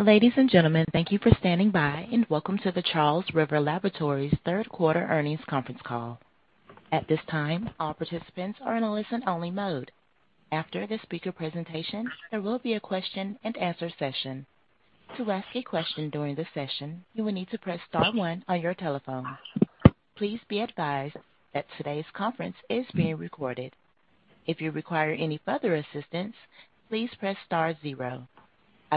Ladies and gentlemen, thank you for standing by and welcome to the Charles River Laboratories Q3 Earnings Conference Call. At this time, all participants are in a listen-only mode. After the speaker presentation, there will be a question-and-answer session. To ask a question during the session, you will need to press star one on your telephone. Please be advised that today's conference is being recorded. If you require any further assistance, please press star zero.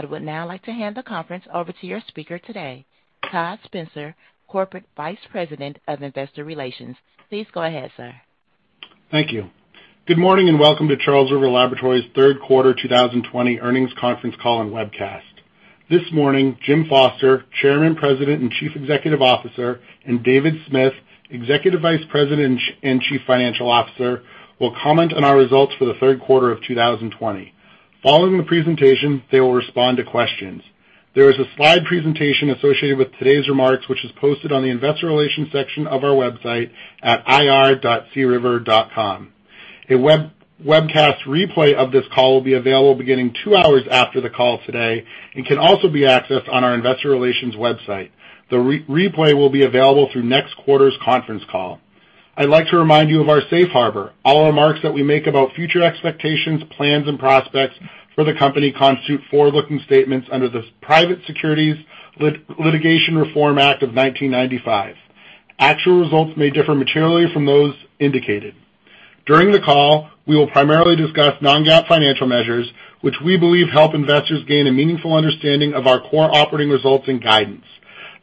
I would now like to hand the conference over to your speaker today, Todd Spencer, Corporate Vice President of Investor Relations. Please go ahead, sir. Thank you. Good morning and welcome to Charles River Laboratories Q3 2020 Earnings Conference call and Webcast. This morning, Jim Foster, Chairman, President, and Chief Executive Officer, and David Smith, Executive Vice President and Chief Financial Officer, will comment on our results for the Q3 of 2020. Following the presentation, they will respond to questions. There is a slide presentation associated with today's remarks, which is posted on the Investor Relations section of our website at ir.criver.com. A webcast replay of this call will be available beginning two hours after the call today and can also be accessed on our Investor Relations website. The replay will be available through next quarter's conference call. I'd like to remind you of our Safe Harbor. All remarks that we make about future expectations, plans, and prospects for the company constitute forward-looking statements under the Private Securities Litigation Reform Act of 1995. Actual results may differ materially from those indicated. During the call, we will primarily discuss non-GAAP financial measures, which we believe help investors gain a meaningful understanding of our core operating results and guidance.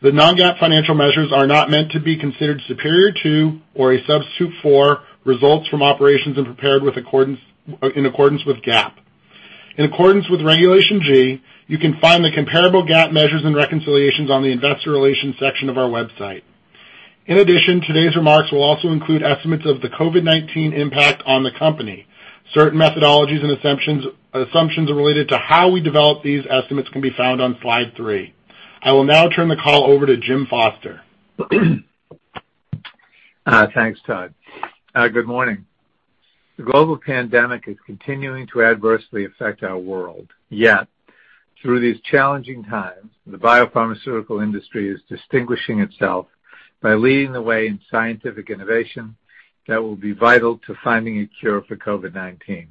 The non-GAAP financial measures are not meant to be considered superior to or a substitute for results from operations and prepared in accordance with GAAP. In accordance with Regulation G, you can find the comparable GAAP measures and reconciliations on the Investor Relations section of our website. In addition, today's remarks will also include estimates of the COVID-19 impact on the company. Certain methodologies and assumptions related to how we develop these estimates can be found on slide three. I will now turn the call over to Jim Foster. Thanks, Todd. Good morning. The global pandemic is continuing to adversely affect our world. Yet, through these challenging times, the biopharmaceutical industry is distinguishing itself by leading the way in scientific innovation that will be vital to finding a cure for COVID-19.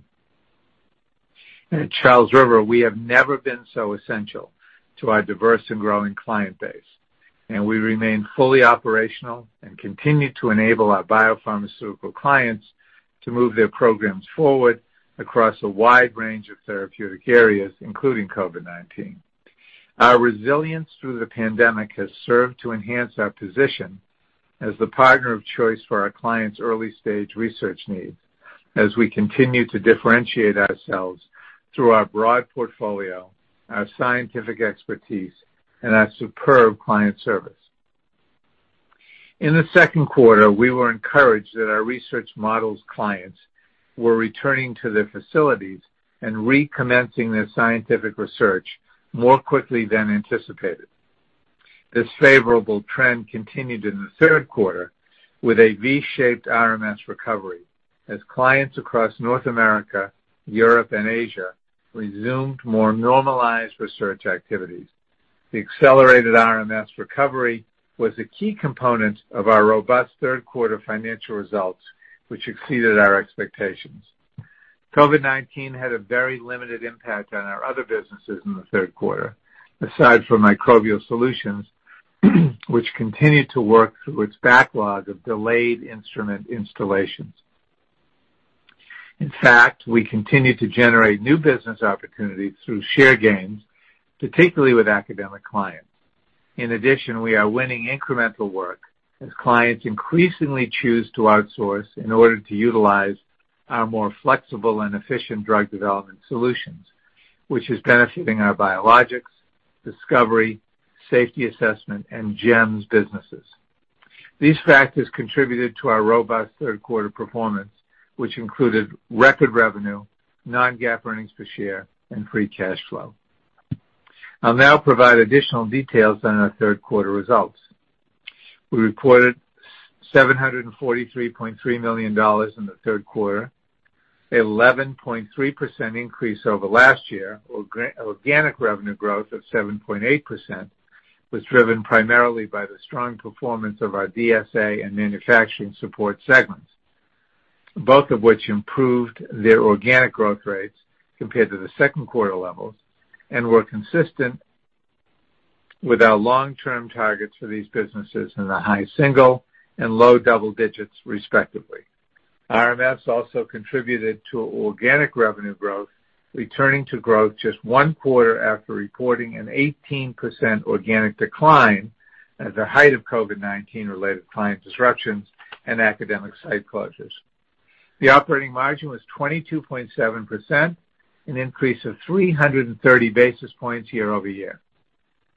At Charles River, we have never been so essential to our diverse and growing client base, and we remain fully operational and continue to enable our biopharmaceutical clients to move their programs forward across a wide range of therapeutic areas, including COVID-19. Our resilience through the pandemic has served to enhance our position as the partner of choice for our clients' early-stage research needs, as we continue to differentiate ourselves through our broad portfolio, our scientific expertise, and our superb client service. In the Q2, we were encouraged that our research models' clients were returning to their facilities and recommencing their scientific research more quickly than anticipated. This favorable trend continued in the Q3 with a V-shaped RMS recovery, as clients across North America, Europe, and Asia resumed more normalized research activities. The accelerated RMS recovery was a key component of our robust Q3 financial results, which exceeded our expectations. COVID-19 had a very limited impact on our other businesses in the Q3, aside from Microbial Solutions, which continued to work through its backlog of delayed instrument installations. In fact, we continue to generate new business opportunities through share gains, particularly with academic clients. In addition, we are winning incremental work as clients increasingly choose to outsource in order to utilize our more flexible and efficient drug development solutions, which is benefiting our Biologics, Discovery, Safety Assessment, and GEMS businesses. These factors contributed to our robust Q3 performance, which included record revenue, non-GAAP earnings per share, and free cash flow. I'll now provide additional details on our Q3 results. We reported $743.3 million in the Q3, an 11.3% increase over last year, or organic revenue growth of 7.8%, which was driven primarily by the strong performance of our DSA and Manufacturing Support segments, both of which improved their organic growth rates compared to the Q2 levels and were consistent with our long-term targets for these businesses in the high single and low double digits, respectively. RMS also contributed to organic revenue growth, returning to growth just 1/4 after reporting an 18% organic decline at the height of COVID-19-related client disruptions and academic site closures. The operating margin was 22.7%, an increase of 330 basis points year-over-year.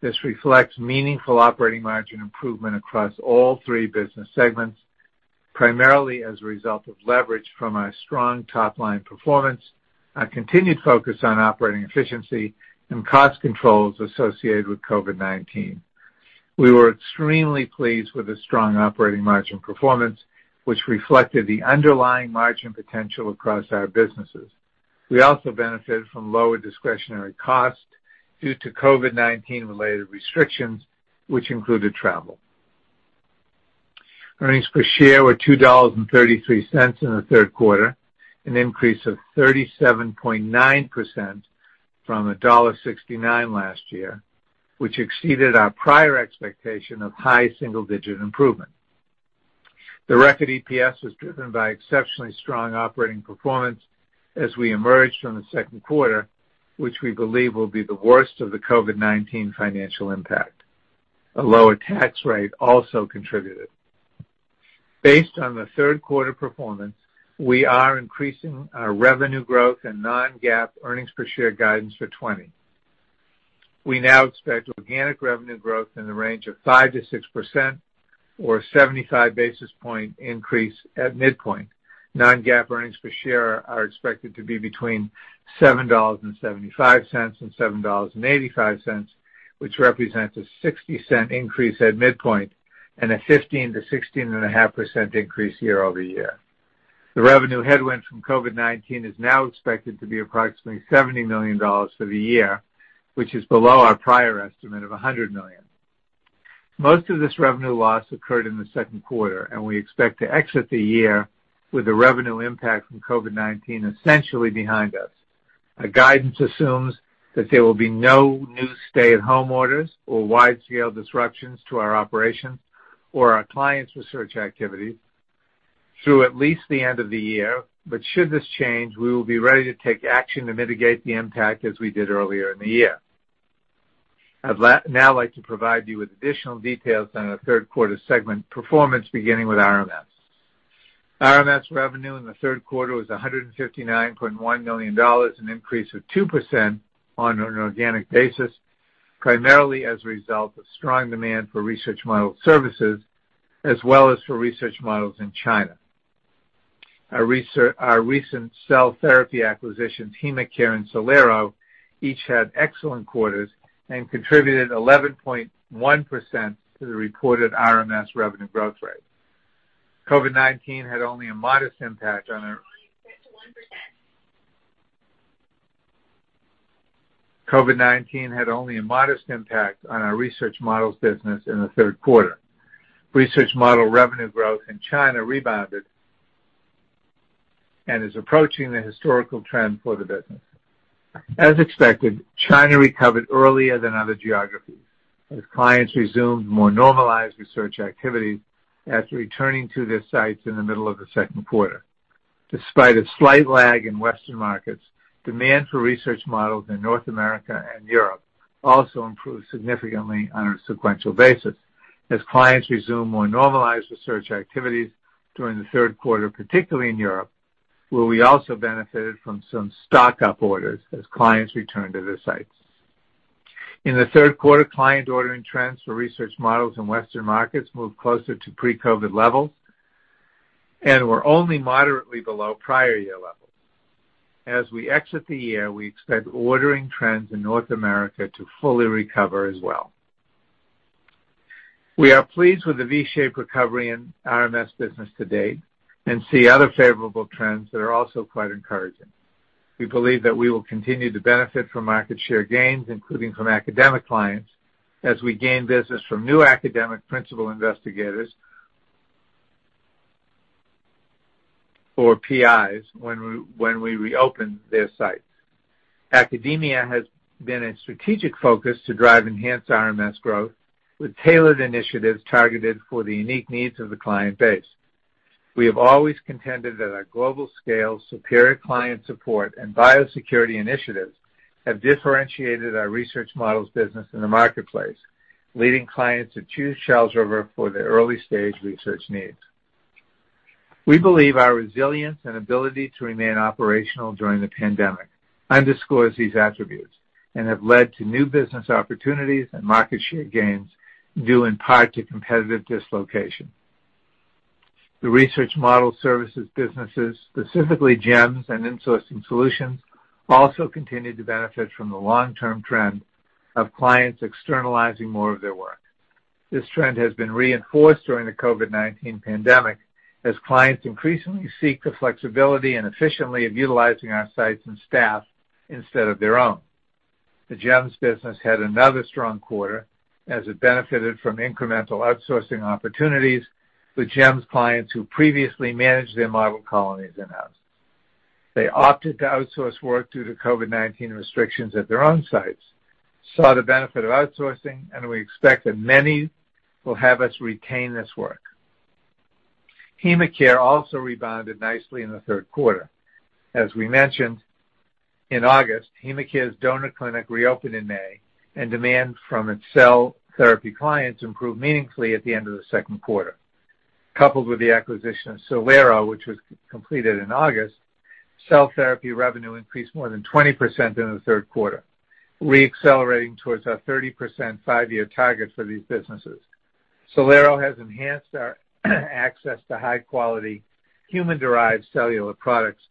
This reflects meaningful operating margin improvement across all three business segments, primarily as a result of leverage from our strong top-line performance, our continued focus on operating efficiency, and cost controls associated with COVID-19. We were extremely pleased with the strong operating margin performance, which reflected the underlying margin potential across our businesses. We also benefited from lower discretionary costs due to COVID-19-related restrictions, which included travel. Earnings per share were $2.33 in the Q3, an increase of 37.9% from $1.69 last year, which exceeded our prior expectation of high single-digit improvement. The record EPS was driven by exceptionally strong operating performance as we emerged from the Q2, which we believe will be the worst of the COVID-19 financial impact. A lower tax rate also contributed. Based on the Q3 performance, we are increasing our revenue growth and non-GAAP earnings per share guidance for 2020. We now expect organic revenue growth in the range of 5%-6%, or a 75 basis point increase at midpoint. Non-GAAP earnings per share are expected to be between $7.75 and $7.85, which represents a $0.60 increase at midpoint and a 15%-16.5% increase year-over-year. The revenue headwind from COVID-19 is now expected to be approximately $70 million for the year, which is below our prior estimate of $100 million. Most of this revenue loss occurred in the Q2, and we expect to exit the year with the revenue impact from COVID-19 essentially behind us. Our guidance assumes that there will be no new stay-at-home orders or wide-scale disruptions to our operations or our clients' research activities through at least the end of the year, but should this change, we will be ready to take action to mitigate the impact as we did earlier in the year. I'd now like to provide you with additional details on our Q3 segment performance, beginning with RMS. RMS revenue in the Q3 was $159.1 million, an increase of 2% on an organic basis, primarily as a result of strong demand for research model services as well as for research models in China. Our recent cell therapy acquisitions, HemaCare and Cellero, each had excellent quarters and contributed 11.1% to the reported RMS revenue growth rate. COVID-19 had only a modest impact on our research models business in the Q3. Research model revenue growth in China rebounded and is approaching the historical trend for the business. As expected, China recovered earlier than other geographies as clients resumed more normalized research activities after returning to their sites in the middle of the Q2. Despite a slight lag in Western markets, demand for research models in North America and Europe also improved significantly on a sequential basis as clients resumed more normalized research activities during the Q3, particularly in Europe, where we also benefited from some stock-up orders as clients returned to their sites. In the Q3, client ordering trends for research models in Western markets moved closer to pre-COVID levels and were only moderately below prior year levels. As we exit the year, we expect ordering trends in North America to fully recover as well. We are pleased with the V-shaped recovery in RMS business to date and see other favorable trends that are also quite encouraging. We believe that we will continue to benefit from market share gains, including from academic clients, as we gain business from new academic principal investigators or APIs when we reopen their sites. Academia has been a strategic focus to drive enhanced RMS growth with tailored initiatives targeted for the unique needs of the client base. We have always contended that our global-scale superior client support and biosecurity initiatives have differentiated our research models' business in the marketplace, leading clients to choose Charles River for their early-stage research needs. We believe our resilience and ability to remain operational during the pandemic underscores these attributes and have led to new business opportunities and market share gains due in part to competitive dislocation. The Research Model Services businesses, specifically GEMS and Insourcing Solutions, also continue to benefit from the long-term trend of clients externalizing more of their work. This trend has been reinforced during the COVID-19 pandemic as clients increasingly seek the flexibility and efficiency of utilizing our sites and staff instead of their own. The GEMS business had another strong quarter as it benefited from incremental outsourcing opportunities with GEMS clients who previously managed their model colonies in-house. They opted to outsource work due to COVID-19 restrictions at their own sites, saw the benefit of outsourcing, and we expect that many will have us retain this work. HemaCare also rebounded nicely in the Q3. As we mentioned, in August, HemaCare's donor clinic reopened in May, and demand from its cell therapy clients improved meaningfully at the end of the Q2. Coupled with the acquisition of Cellero, which was completed in August, cell therapy revenue increased more than 20% in the Q3, re-accelerating towards our 30% five-year target for these businesses. Cellero has enhanced our access to high-quality human-derived cellular products,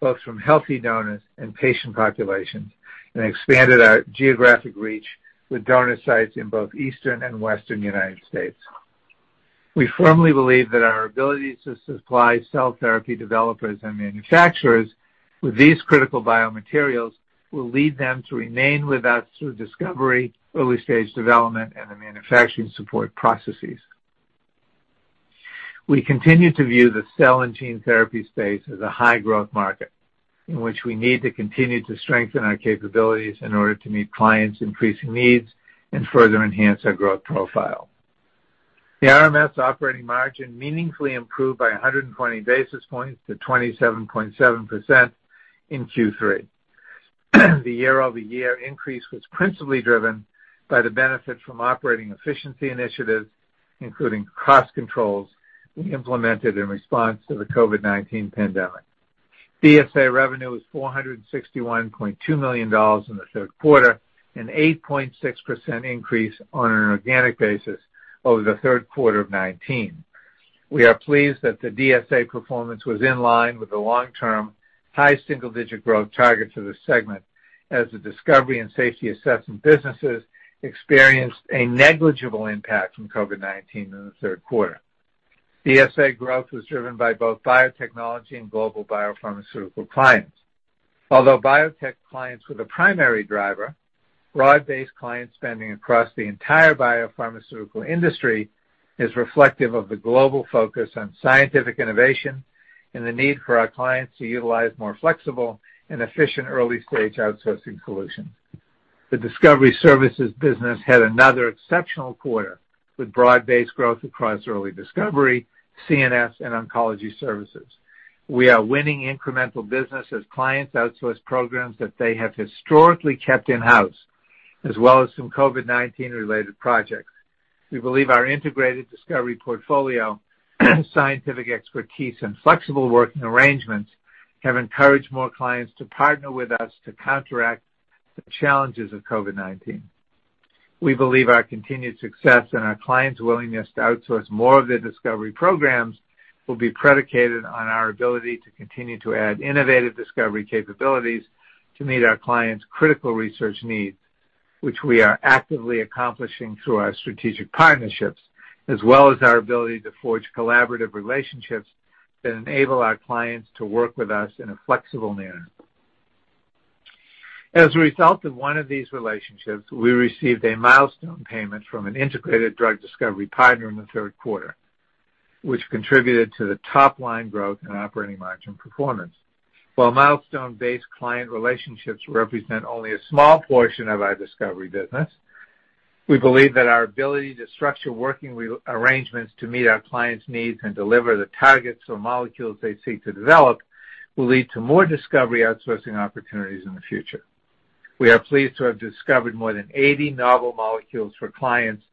both from healthy donors and patient populations, and expanded our geographic reach with donor sites in both Eastern and Western United States. We firmly believe that our ability to supply cell therapy developers and manufacturers with these critical biomaterials will lead them to remain with us through discovery, early-stage development, and the Manufacturing Support processes. We continue to view the cell and gene therapy space as a high-growth market in which we need to continue to strengthen our capabilities in order to meet clients' increasing needs and further enhance our growth profile. The RMS operating margin meaningfully improved by 120 basis points to 27.7% in Q3. The year-over-year increase was principally driven by the benefit from operating efficiency initiatives, including cost controls we implemented in response to the COVID-19 pandemic. DSA revenue was $461.2 million in the Q3, an 8.6% increase on an organic basis over the Q3 of 2019. We are pleased that the DSA performance was in line with the long-term high single-digit growth target for the segment, as the discovery and safety assessment businesses experienced a negligible impact from COVID-19 in the Q3. DSA growth was driven by both biotechnology and global biopharmaceutical clients. Although biotech clients were the primary driver, broad-based client spending across the entire biopharmaceutical industry is reflective of the global focus on scientific innovation and the need for our clients to utilize more flexible and efficient early-stage outsourcing solutions. The Discovery Services business had another exceptional quarter with broad-based growth across early discovery, CNS, and oncology services. We are winning incremental business as clients outsource programs that they have historically kept in-house, as well as some COVID-19-related projects. We believe our integrated discovery portfolio, scientific expertise, and flexible working arrangements have encouraged more clients to partner with us to counteract the challenges of COVID-19. We believe our continued success and our clients' willingness to outsource more of their discovery programs will be predicated on our ability to continue to add innovative discovery capabilities to meet our clients' critical research needs, which we are actively accomplishing through our strategic partnerships, as well as our ability to forge collaborative relationships that enable our clients to work with us in a flexible manner. As a result of one of these relationships, we received a milestone payment from an integrated drug discovery partner in the Q3, which contributed to the top-line growth and operating margin performance. While milestone-based client relationships represent only a small portion of our Discovery Business, we believe that our ability to structure working arrangements to meet our clients' needs and deliver the targets or molecules they seek to develop will lead to more discovery outsourcing opportunities in the future. We are pleased to have discovered more than 80 novel molecules for clients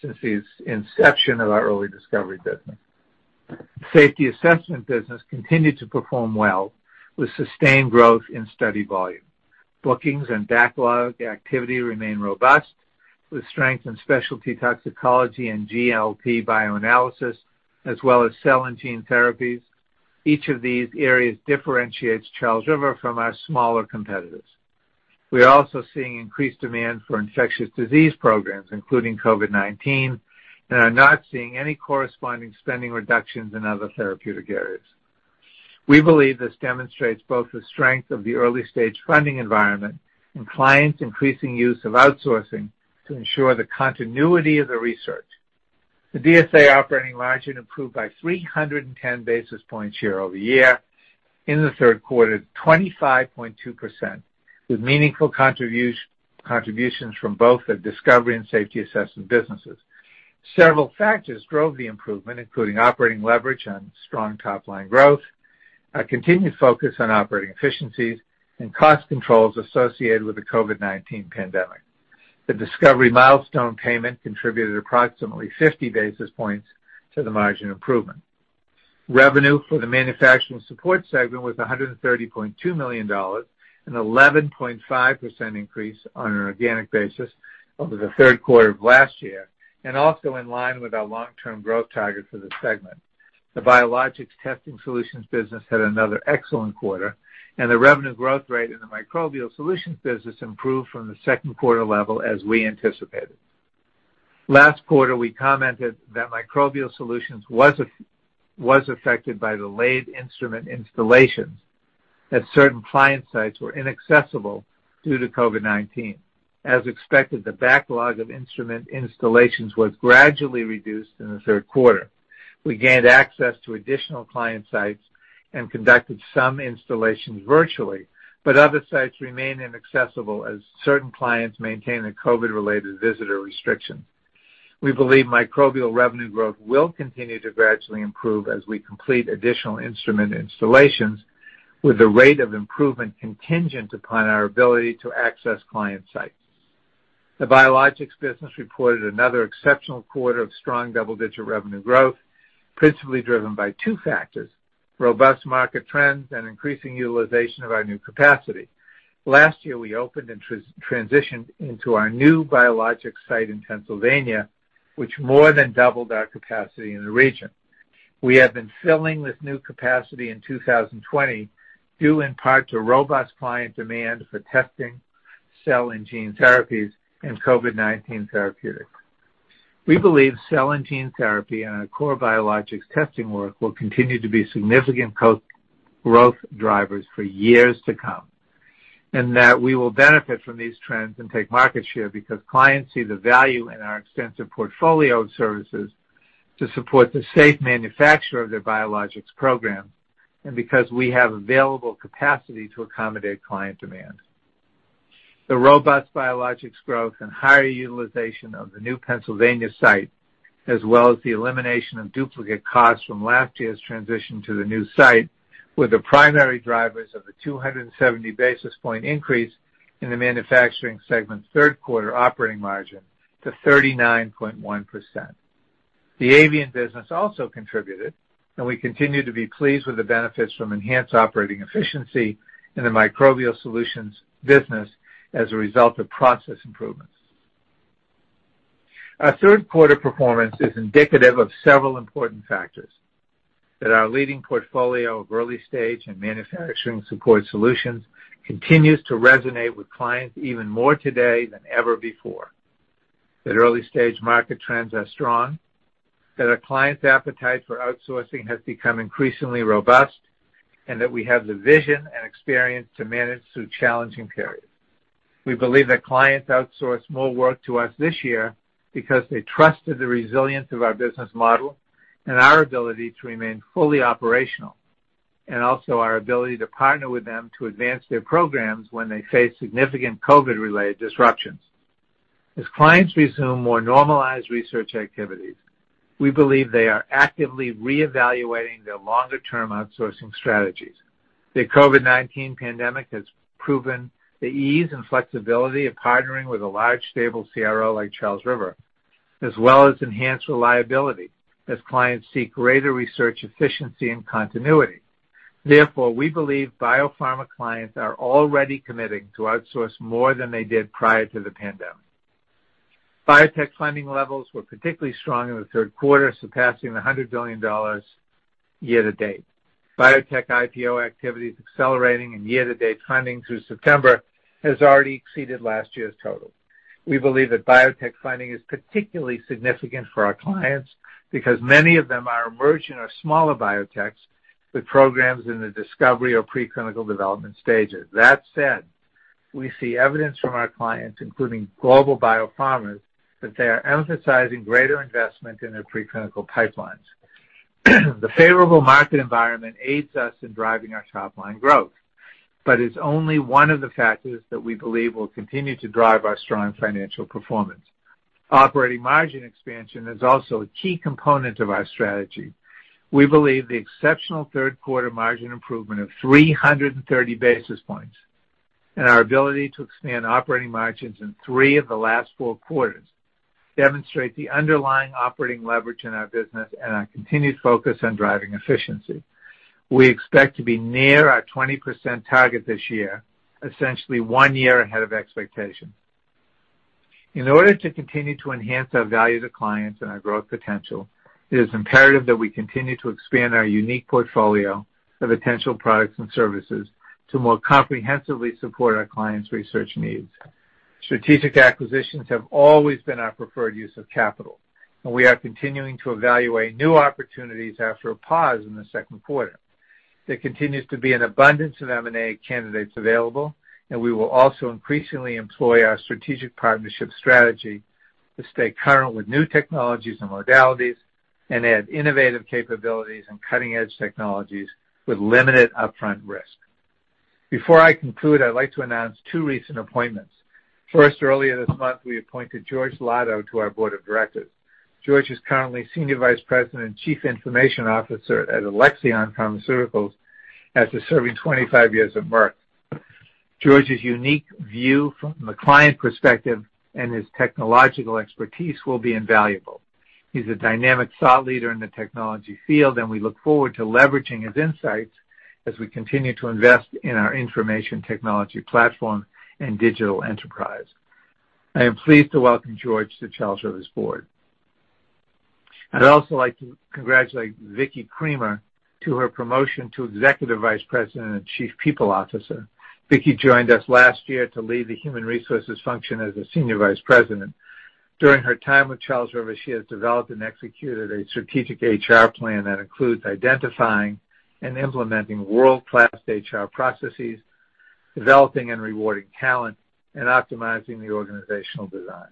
since the inception of our Early Discovery Business. The Safety Assessment business continued to perform well with sustained growth in study volume. Bookings and backlog activity remain robust, with strength in specialty toxicology and GLP bioanalysis, as well as cell and gene therapies. Each of these areas differentiates Charles River from our smaller competitors. We are also seeing increased demand for infectious disease programs, including COVID-19, and are not seeing any corresponding spending reductions in other therapeutic areas. We believe this demonstrates both the strength of the early-stage funding environment and clients' increasing use of outsourcing to ensure the continuity of the research. The DSA operating margin improved by 310 basis points year-over-year in the Q3 to 25.2%, with meaningful contributions from both the discovery and safety assessment businesses. Several factors drove the improvement, including operating leverage and strong top-line growth, a continued focus on operating efficiencies, and cost controls associated with the COVID-19 pandemic. The discovery milestone payment contributed approximately 50 basis points to the margin improvement. Revenue for the Manufacturing Support segment was $130.2 million, an 11.5% increase on an organic basis over the Q3 of last year and also in line with our long-term growth target for the segment. The Biologics Testing Solutions business had another excellent quarter, and the revenue growth rate in the Microbial Solutions business improved from the Q2 level as we anticipated. Last quarter, we commented that Microbial Solutions was affected by delayed instrument installations as certain client sites were inaccessible due to COVID-19. As expected, the backlog of instrument installations was gradually reduced in the Q3. We gained access to additional client sites and conducted some installations virtually, but other sites remained inaccessible as certain clients maintained a COVID-related visitor restriction. We believe microbial revenue growth will continue to gradually improve as we complete additional instrument installations, with the rate of improvement contingent upon our ability to access client sites. The biologics business reported another exceptional quarter of strong double-digit revenue growth, principally driven by two factors: robust market trends and increasing utilization of our new capacity. Last year, we opened and transitioned into our new biologics site in Pennsylvania, which more than doubled our capacity in the region. We have been filling this new capacity in 2020 due in part to robust client demand for testing, cell and gene therapies, and COVID-19 therapeutics. We believe cell and gene therapy and our core biologics testing work will continue to be significant growth drivers for years to come and that we will benefit from these trends and take market share because clients see the value in our extensive portfolio of services to support the safe manufacture of their biologics programs and because we have available capacity to accommodate client demand. The robust biologics growth and higher utilization of the new Pennsylvania site, as well as the elimination of duplicate costs from last year's transition to the new site, were the primary drivers of the 270 basis point increase in the Manufacturing segment's Q3 operating margin to 39.1%. The Avian business also contributed, and we continue to be pleased with the benefits from enhanced operating efficiency in the Microbial Solutions business as a result of process improvements. Our Q3 performance is indicative of several important factors: that our leading portfolio of early-stage and Manufacturing Support solutions continues to resonate with clients even more today than ever before, that early-stage market trends are strong, that our clients' appetite for outsourcing has become increasingly robust, and that we have the vision and experience to manage through challenging periods. We believe that clients outsourced more work to us this year because they trusted the resilience of our business model and our ability to remain fully operational, and also our ability to partner with them to advance their programs when they face significant COVID-related disruptions. As clients resume more normalized research activities, we believe they are actively reevaluating their longer-term outsourcing strategies. The COVID-19 pandemic has proven the ease and flexibility of partnering with a large, stable CRO like Charles River, as well as enhanced reliability as clients seek greater research efficiency and continuity. Therefore, we believe biopharma clients are already committing to outsource more than they did prior to the pandemic. Biotech funding levels were particularly strong in the Q3, surpassing $100 billion year-to-date. Biotech IPO activities accelerating, and year-to-date funding through September has already exceeded last year's total. We believe that biotech funding is particularly significant for our clients because many of them are emerging or smaller biotechs with programs in the discovery or preclinical development stages. That said, we see evidence from our clients, including global biopharmas, that they are emphasizing greater investment in their preclinical pipelines. The favorable market environment aids us in driving our top-line growth, but is only one of the factors that we believe will continue to drive our strong financial performance. Operating margin expansion is also a key component of our strategy. We believe the exceptional Q3 margin improvement of 330 basis points and our ability to expand operating margins in three of the last four quarters demonstrate the underlying operating leverage in our business and our continued focus on driving efficiency. We expect to be near our 20% target this year, essentially one year ahead of expectations. In order to continue to enhance our value to clients and our growth potential, it is imperative that we continue to expand our unique portfolio of essential products and services to more comprehensively support our clients' research needs. Strategic acquisitions have always been our preferred use of capital, and we are continuing to evaluate new opportunities after a pause in the Q2. There continues to be an abundance of M&A candidates available, and we will also increasingly employ our strategic partnership strategy to stay current with new technologies and modalities and add innovative capabilities and cutting-edge technologies with limited upfront risk. Before I conclude, I'd like to announce two recent appointments. First, earlier this month, we appointed George Llado to our Board of Directors. George is currently Senior Vice President and Chief Information Officer at Alexion Pharmaceuticals after serving 25 years at Merck. George's unique view from the client perspective and his technological expertise will be invaluable. He's a dynamic thought leader in the technology field, and we look forward to leveraging his insights as we continue to invest in our information technology platform and digital enterprise. I am pleased to welcome George to Charles River's board. I'd also like to congratulate Vicky Creamer to her promotion to Executive Vice President and Chief People Officer. Vicky joined us last year to lead the human resources function as a Senior Vice President. During her time with Charles River, she has developed and executed a strategic HR plan that includes identifying and implementing world-class HR processes, developing and rewarding talent, and optimizing the organizational design.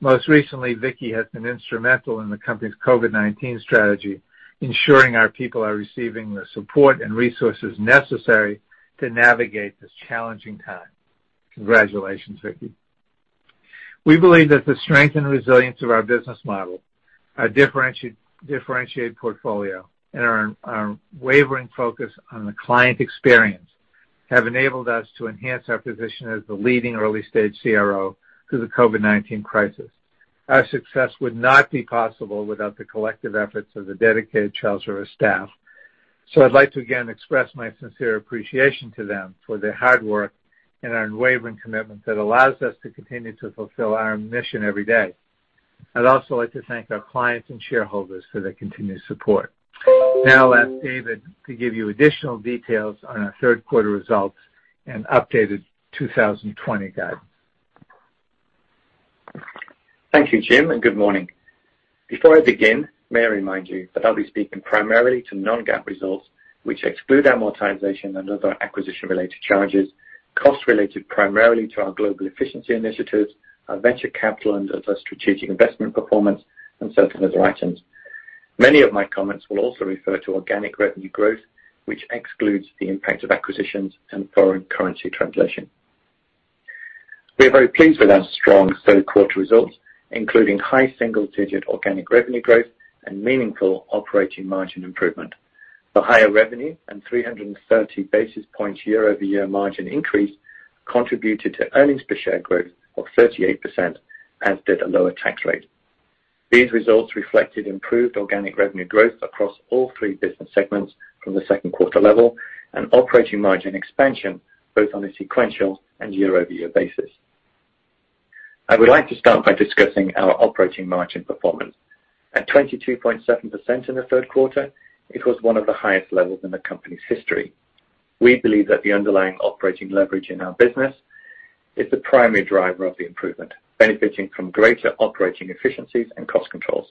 Most recently, Vicky has been instrumental in the company's COVID-19 strategy, ensuring our people are receiving the support and resources necessary to navigate this challenging time. Congratulations, Vicky. We believe that the strength and resilience of our business model, our differentiated portfolio, and our unwavering focus on the client experience have enabled us to enhance our position as the leading early-stage CRO through the COVID-19 crisis. Our success would not be possible without the collective efforts of the dedicated Charles River staff, so I'd like to again express my sincere appreciation to them for their hard work and our unwavering commitment that allows us to continue to fulfill our mission every day. I'd also like to thank our clients and shareholders for their continued support. Now, I'll ask David to give you additional details on our Q3 results and updated 2020 guidance. Thank you, Jim, and good morning. Before I begin, may I remind you that I'll be speaking primarily to non-GAAP results, which exclude amortization and other acquisition-related charges, cost-related primarily to our global efficiency initiatives, our venture capital, and other strategic investment performance, and certain other items. Many of my comments will also refer to organic revenue growth, which excludes the impact of acquisitions and foreign currency translation. We are very pleased with our strong Q3 results, including high single-digit organic revenue growth and meaningful operating margin improvement. The higher revenue and 330 basis points year-over-year margin increase contributed to earnings per share growth of 38%, as did a lower tax rate. These results reflected improved organic revenue growth across all three business segments from the Q2 level and operating margin expansion both on a sequential and year-over-year basis. I would like to start by discussing our operating margin performance. At 22.7% in the Q3, it was one of the highest levels in the company's history. We believe that the underlying operating leverage in our business is the primary driver of the improvement, benefiting from greater operating efficiencies and cost controls.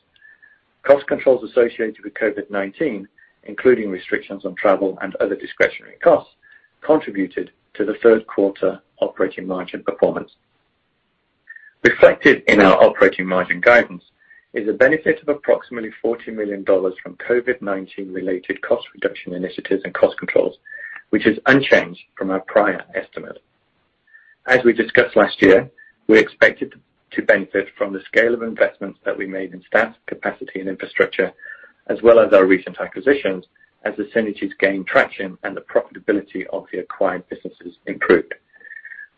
Cost controls associated with COVID-19, including restrictions on travel and other discretionary costs, contributed to the Q3 operating margin performance. Reflected in our operating margin guidance is a benefit of approximately $40 million from COVID-19-related cost reduction initiatives and cost controls, which is unchanged from our prior estimate. As we discussed last year, we expected to benefit from the scale of investments that we made in staff, capacity, and infrastructure, as well as our recent acquisitions, as the synergies gained traction and the profitability of the acquired businesses improved.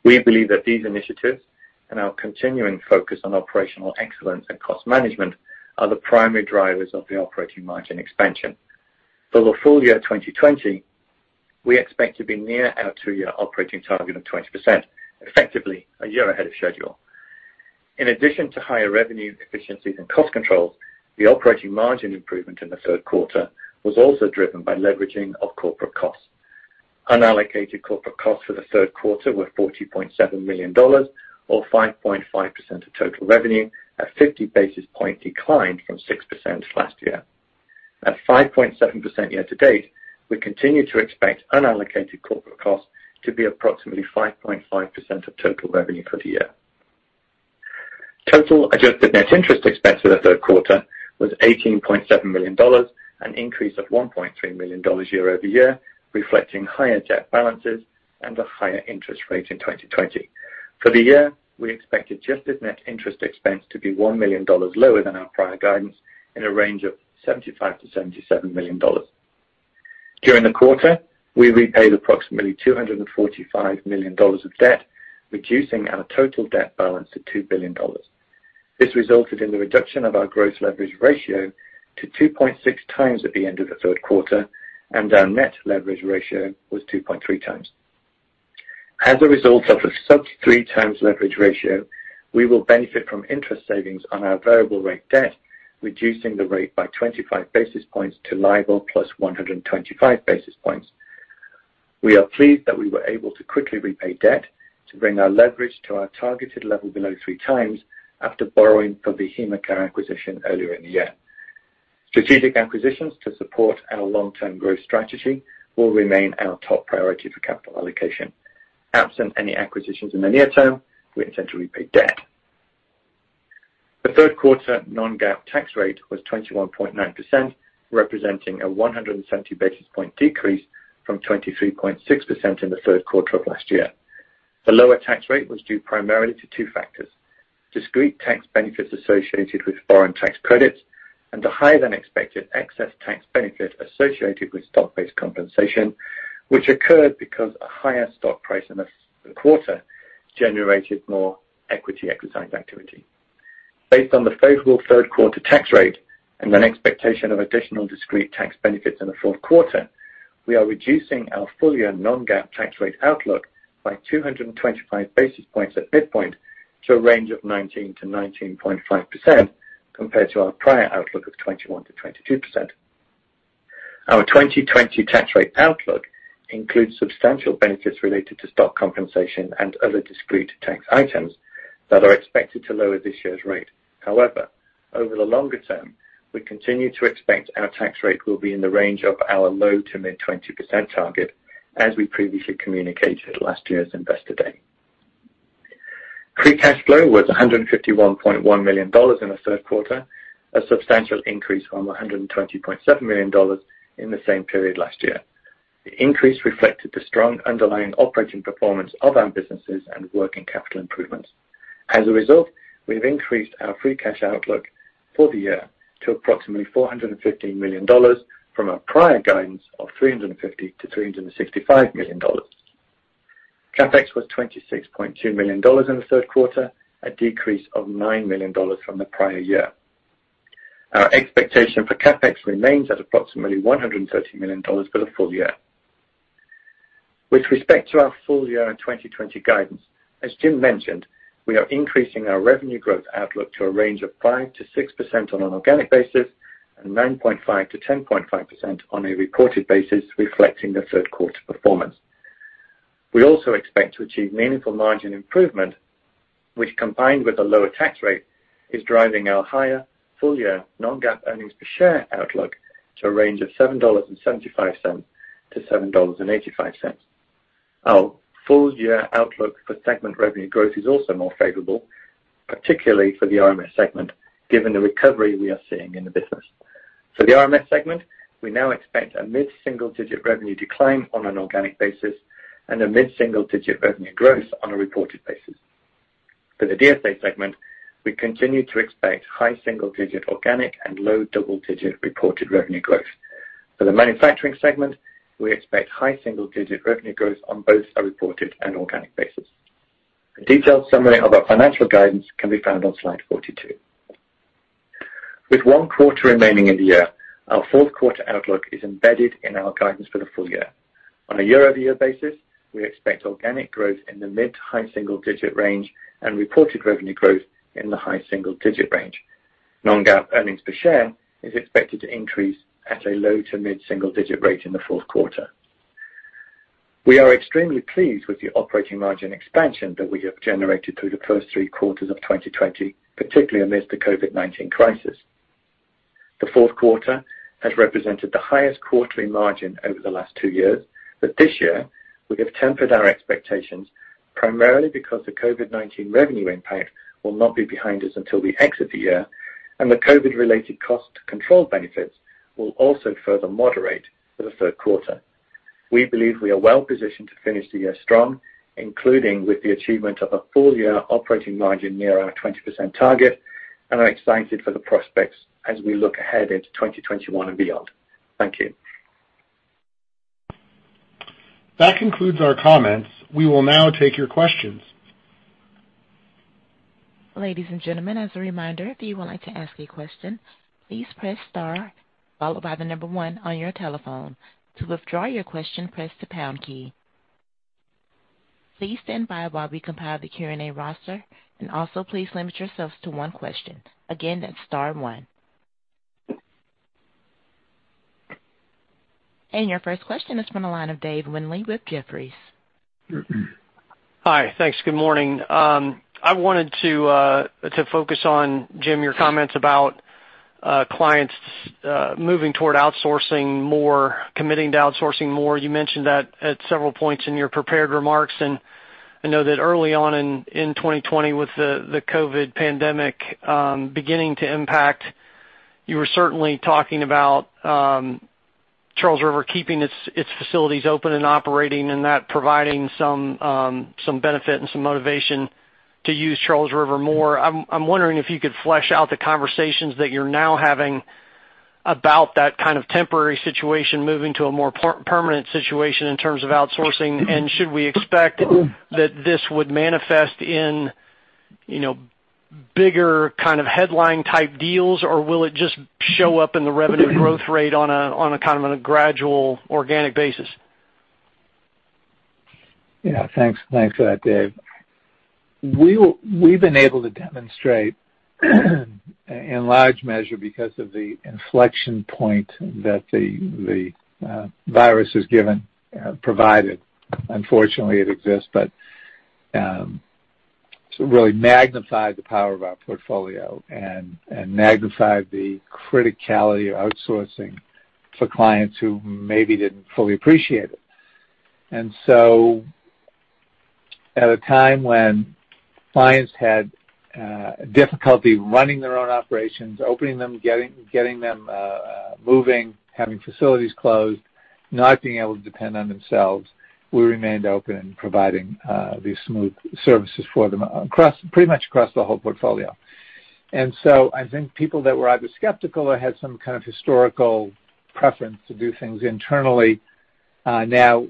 We believe that these initiatives and our continuing focus on operational excellence and cost management are the primary drivers of the operating margin expansion. For the full year 2020, we expect to be near our two-year operating target of 20%, effectively a year ahead of schedule. In addition to higher revenue efficiencies and cost controls, the operating margin improvement in the Q3 was also driven by leveraging of corporate costs. Unallocated corporate costs for the Q3 were $40.7 million, or 5.5% of total revenue, a 50 basis point decline from 6% last year. At 5.7% year-to-date, we continue to expect unallocated corporate costs to be approximately 5.5% of total revenue for the year. Total adjusted net interest expense for the Q3 was $18.7 million, an increase of $1.3 million year-over-year, reflecting higher debt balances and a higher interest rate in 2020. For the year, we expected adjusted net interest expense to be $1 million lower than our prior guidance in a range of $75-$77 million. During the quarter, we repaid approximately $245 million of debt, reducing our total debt balance to $2 billion. This resulted in the reduction of our gross leverage ratio to 2.6 times at the end of the Q3, and our net leverage ratio was 2.3 times. As a result of the sub-three times leverage ratio, we will benefit from interest savings on our variable-rate debt, reducing the rate by 25 basis points to LIBOR + 125 basis points. We are pleased that we were able to quickly repay debt to bring our leverage to our targeted level below three times after borrowing for HemaCare acquisition earlier in the year. Strategic acquisitions to support our long-term growth strategy will remain our top priority for capital allocation. Absent any acquisitions in the near term, we intend to repay debt. The Q3 non-GAAP tax rate was 21.9%, representing a 170 basis point decrease from 23.6% in the Q3 of last year. The lower tax rate was due primarily to two factors: discrete tax benefits associated with foreign tax credits and a higher-than-expected excess tax benefit associated with stock-based compensation, which occurred because a higher stock price in the quarter generated more equity exercise activity. Based on the favorable Q3 tax rate and the expectation of additional discrete tax benefits in the fourth quarter, we are reducing our full year non-GAAP tax rate outlook by 225 basis points at midpoint to a range of 19%-19.5% compared to our prior outlook of 21%-22%. Our 2020 tax rate outlook includes substantial benefits related to stock compensation and other discrete tax items that are expected to lower this year's rate. However, over the longer term, we continue to expect our tax rate will be in the range of our low to mid-20% target, as we previously communicated last year's Investor Day. Free cash flow was $151.1 million in the Q3, a substantial increase from $120.7 million in the same period last year. The increase reflected the strong underlying operating performance of our businesses and working capital improvements. As a result, we have increased our free cash outlook for the year to approximately $415 million from our prior guidance of $350-$365 million. CapEx was $26.2 million in the Q3, a decrease of $9 million from the prior year. Our expectation for CapEx remains at approximately $130 million for the full year. With respect to our full year and 2020 guidance, as Jim mentioned, we are increasing our revenue growth outlook to a range of 5%-6% on an organic basis and 9.5%-10.5% on a reported basis, reflecting the Q3 performance. We also expect to achieve meaningful margin improvement, which, combined with a lower tax rate, is driving our higher full year non-GAAP earnings per share outlook to a range of $7.75-$7.85. Our full year outlook for segment revenue growth is also more favorable, particularly for the RMS segment, given the recovery we are seeing in the business. For the RMS segment, we now expect a mid-single-digit revenue decline on an organic basis and a mid-single-digit revenue growth on a reported basis. For the DSA segment, we continue to expect high single-digit organic and low double-digit reported revenue growth. For the Manufacturing segment, we expect high single-digit revenue growth on both a reported and organic basis. A detailed summary of our financial guidance can be found on slide 42. With one quarter remaining in the year, our fourth quarter outlook is embedded in our guidance for the full year. On a year-over-year basis, we expect organic growth in the mid to high single-digit range and reported revenue growth in the high single-digit range. Non-GAAP earnings per share is expected to increase at a low to mid-single-digit rate in the Q4. We are extremely pleased with the operating margin expansion that we have generated through the first three quarters of 2020, particularly amidst the COVID-19 crisis. The Q4 has represented the highest quarterly margin over the last two years, but this year, we have tempered our expectations primarily because the COVID-19 revenue impact will not be behind us until we exit the year, and the COVID-related cost control benefits will also further moderate for the Q3. We believe we are well positioned to finish the year strong, including with the achievement of a full year operating margin near our 20% target, and are excited for the prospects as we look ahead into 2021 and beyond. Thank you. That concludes our comments. We will now take your questions. Ladies and gentlemen, as a reminder, if you would like to ask a question, please press star followed by the number one on your telephone. To withdraw your question, press the pound key. Please stand by while we compile the Q&A roster, and also please limit yourselves to one question. Again, that's star one, and your first question is from the line of Dave Windley with Jefferies. Hi. Thanks. Good morning. I wanted to focus on, Jim, your comments about clients moving toward outsourcing more, committing to outsourcing more. You mentioned that at several points in your prepared remarks, and I know that early on in 2020, with the COVID pandemic beginning to impact, you were certainly talking about Charles River keeping its facilities open and operating and that providing some benefit and some motivation to use Charles River more. I'm wondering if you could flesh out the conversations that you're now having about that kind of temporary situation moving to a more permanent situation in terms of outsourcing, and should we expect that this would manifest in bigger kind of headline-type deals, or will it just show up in the revenue growth rate on a kind of a gradual organic basis? Yeah. Thanks for that, Dave. We've been able to demonstrate in large measure because of the inflection point that the virus has provided. Unfortunately, it exists, but it's really magnified the power of our portfolio and magnified the criticality of outsourcing for clients who maybe didn't fully appreciate it. And so at a time when clients had difficulty running their own operations, opening them, getting them moving, having facilities closed, not being able to depend on themselves, we remained open and providing these smooth services for them pretty much across the whole portfolio. And so I think people that were either skeptical or had some kind of historical preference to do things internally now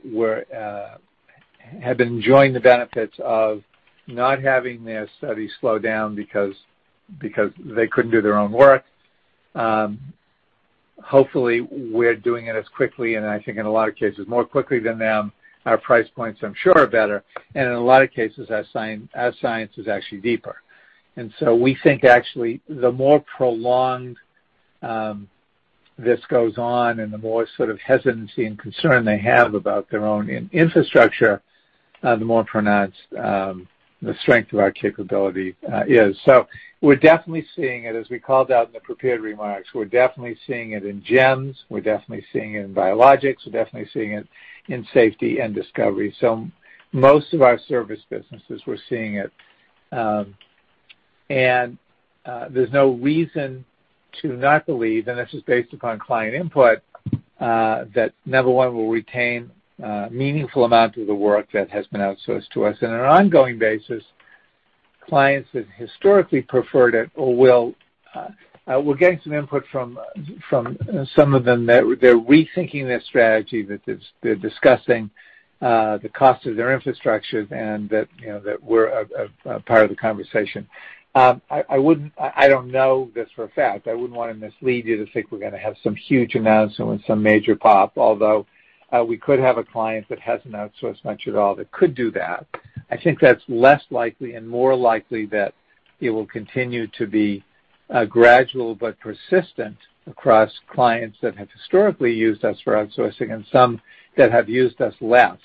had been enjoying the benefits of not having their studies slow down because they couldn't do their own work. Hopefully, we're doing it as quickly, and I think in a lot of cases more quickly than them. Our price points, I'm sure, are better, and in a lot of cases, our science is actually deeper. And so we think actually the more prolonged this goes on and the more sort of hesitancy and concern they have about their own infrastructure, the more pronounced the strength of our capability is. So we're definitely seeing it, as we called out in the prepared remarks. We're definitely seeing it in GEMS. We're definitely seeing it in Biologics. We're definitely seeing it in Safety and Discovery. So most of our service businesses, we're seeing it. And there's no reason to not believe, and this is based upon client input, that number one will retain meaningful amounts of the work that has been outsourced to us. And on an ongoing basis, clients have historically preferred it or will. We're getting some input from some of them that they're rethinking their strategy, that they're discussing the cost of their infrastructure, and that we're a part of the conversation. I don't know this for a fact. I wouldn't want to mislead you to think we're going to have some huge announcement with some major pop, although we could have a client that hasn't outsourced much at all that could do that. I think that's less likely and more likely that it will continue to be gradual but persistent across clients that have historically used us for outsourcing and some that have used us less,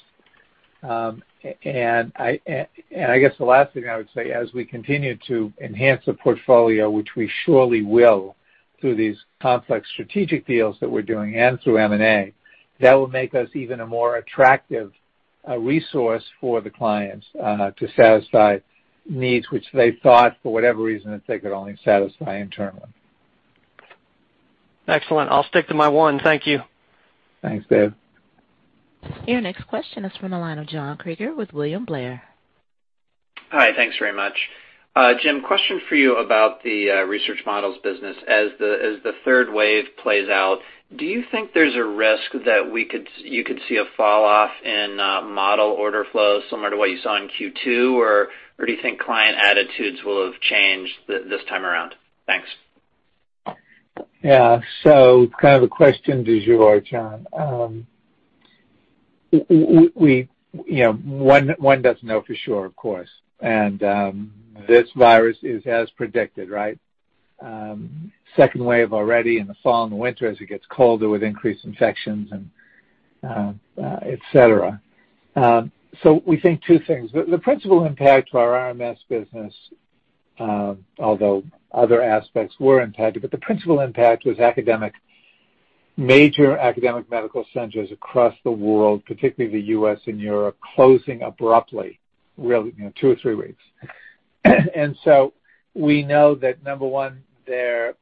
and I guess the last thing I would say. As we continue to enhance the portfolio, which we surely will through these complex strategic deals that we're doing and through M&A, that will make us even a more attractive resource for the clients to satisfy needs which they thought for whatever reason that they could only satisfy internally. Excellent. I'll stick to my one. Thank you. Thanks, Dave. Your next question is from the line of John Krieger with William Blair. Hi. Thanks very much. Jim, question for you about the research models business. As the third wave plays out, do you think there's a risk that you could see a falloff in model order flow similar to what you saw in Q2, or do you think client attitudes will have changed this time around? Thanks. Yeah. So kind of a question [did you ask], John. One doesn't know for sure, of course, and this virus is as predicted, right? Second wave already in the fall and the winter as it gets colder with increased infections and etc., so we think two things. The principal impact for our RMS business, although other aspects were impacted, but the principal impact was major academic medical centers across the world, particularly the U.S. and Europe, closing abruptly two or three weeks. And so we know that number one, they're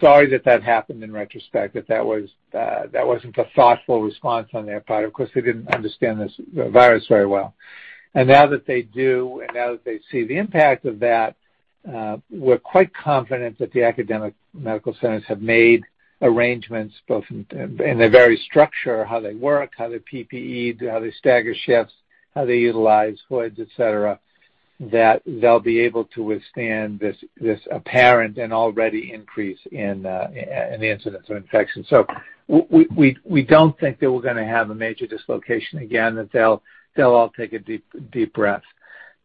sorry that that happened in retrospect, that that wasn't a thoughtful response on their part. Of course, they didn't understand the virus very well. And now that they do, and now that they see the impact of that, we're quite confident that the academic medical centers have made arrangements both in their very structure, how they work, how they're PPE, how they stagger shifts, how they utilize hoods, etc., that they'll be able to withstand this apparent and already increase in the incidence of infection. So we don't think that we're going to have a major dislocation again, that they'll all take a deep breath.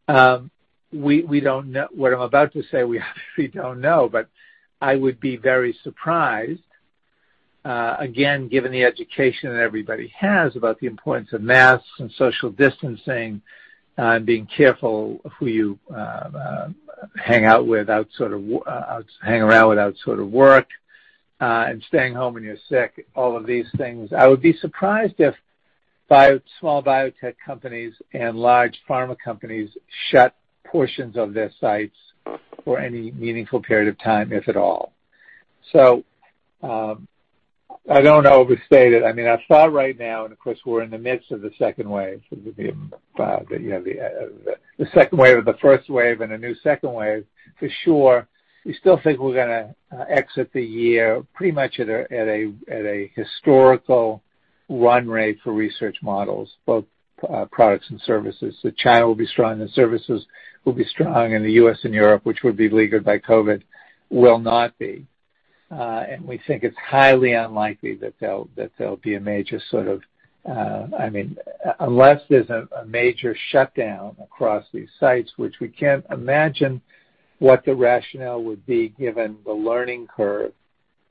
What I'm about to say, we actually don't know, but I would be very surprised, again, given the education that everybody has about the importance of masks and social distancing and being careful who you hang out with, sort of hang around without sort of work and staying home when you're sick, all of these things. I would be surprised if small biotech companies and large pharma companies shut portions of their sites for any meaningful period of time, if at all. So I don't overstate it. I mean, I thought right now, and of course, we're in the midst of the second wave, the second wave of the first wave and a new second wave, for sure. We still think we're going to exit the year pretty much at a historical run rate for research models, both products and services. So China will be strong, and services will be strong, and the U.S. and Europe, which would be hobbled by COVID, will not be. And we think it's highly unlikely that there'll be a major sort of, I mean, unless there's a major shutdown across these sites, which we can't imagine what the rationale would be given the learning curve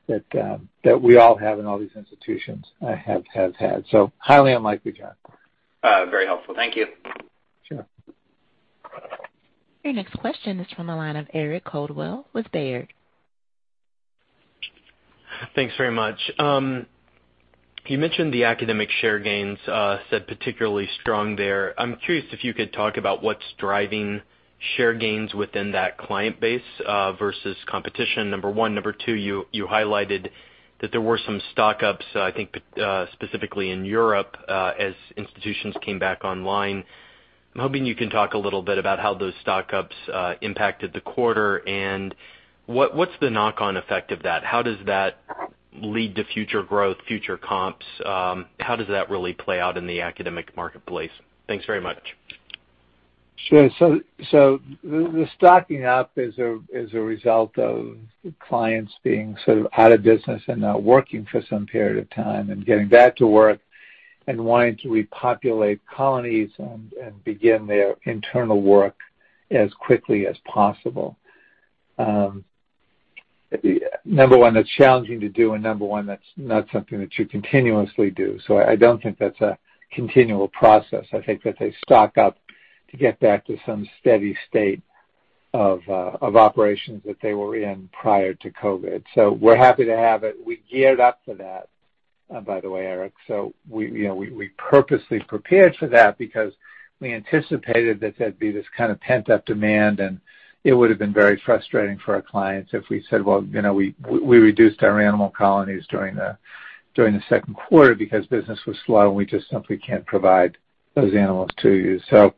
that we all have and all these institutions have had. So highly unlikely, John. Very helpful. Thank you. Sure. Your next question is from the line of Eric Coldwell with Baird. Thanks very much. You mentioned the academic share gains, said particularly strong there. I'm curious if you could talk about what's driving share gains within that client base versus competition, number one. Number two, you highlighted that there were some stock ups, I think specifically in Europe, as institutions came back online. I'm hoping you can talk a little bit about how those stock ups impacted the quarter, and what's the knock-on effect of that? How does that lead to future growth, future comps? How does that really play out in the academic marketplace? Thanks very much. Sure. So the stocking up is a result of clients being sort of out of business and not working for some period of time and getting back to work and wanting to repopulate colonies and begin their internal work as quickly as possible. Number one, that's challenging to do, and number one, that's not something that you continuously do. So I don't think that's a continual process. I think that they stock up to get back to some steady state of operations that they were in prior to COVID. So we're happy to have it. We geared up for that, by the way, Eric. So we purposely prepared for that because we anticipated that there'd be this kind of pent-up demand, and it would have been very frustrating for our clients if we said, "Well, we reduced our animal colonies during the Q2 because business was slow, and we just simply can't provide those animals to you. So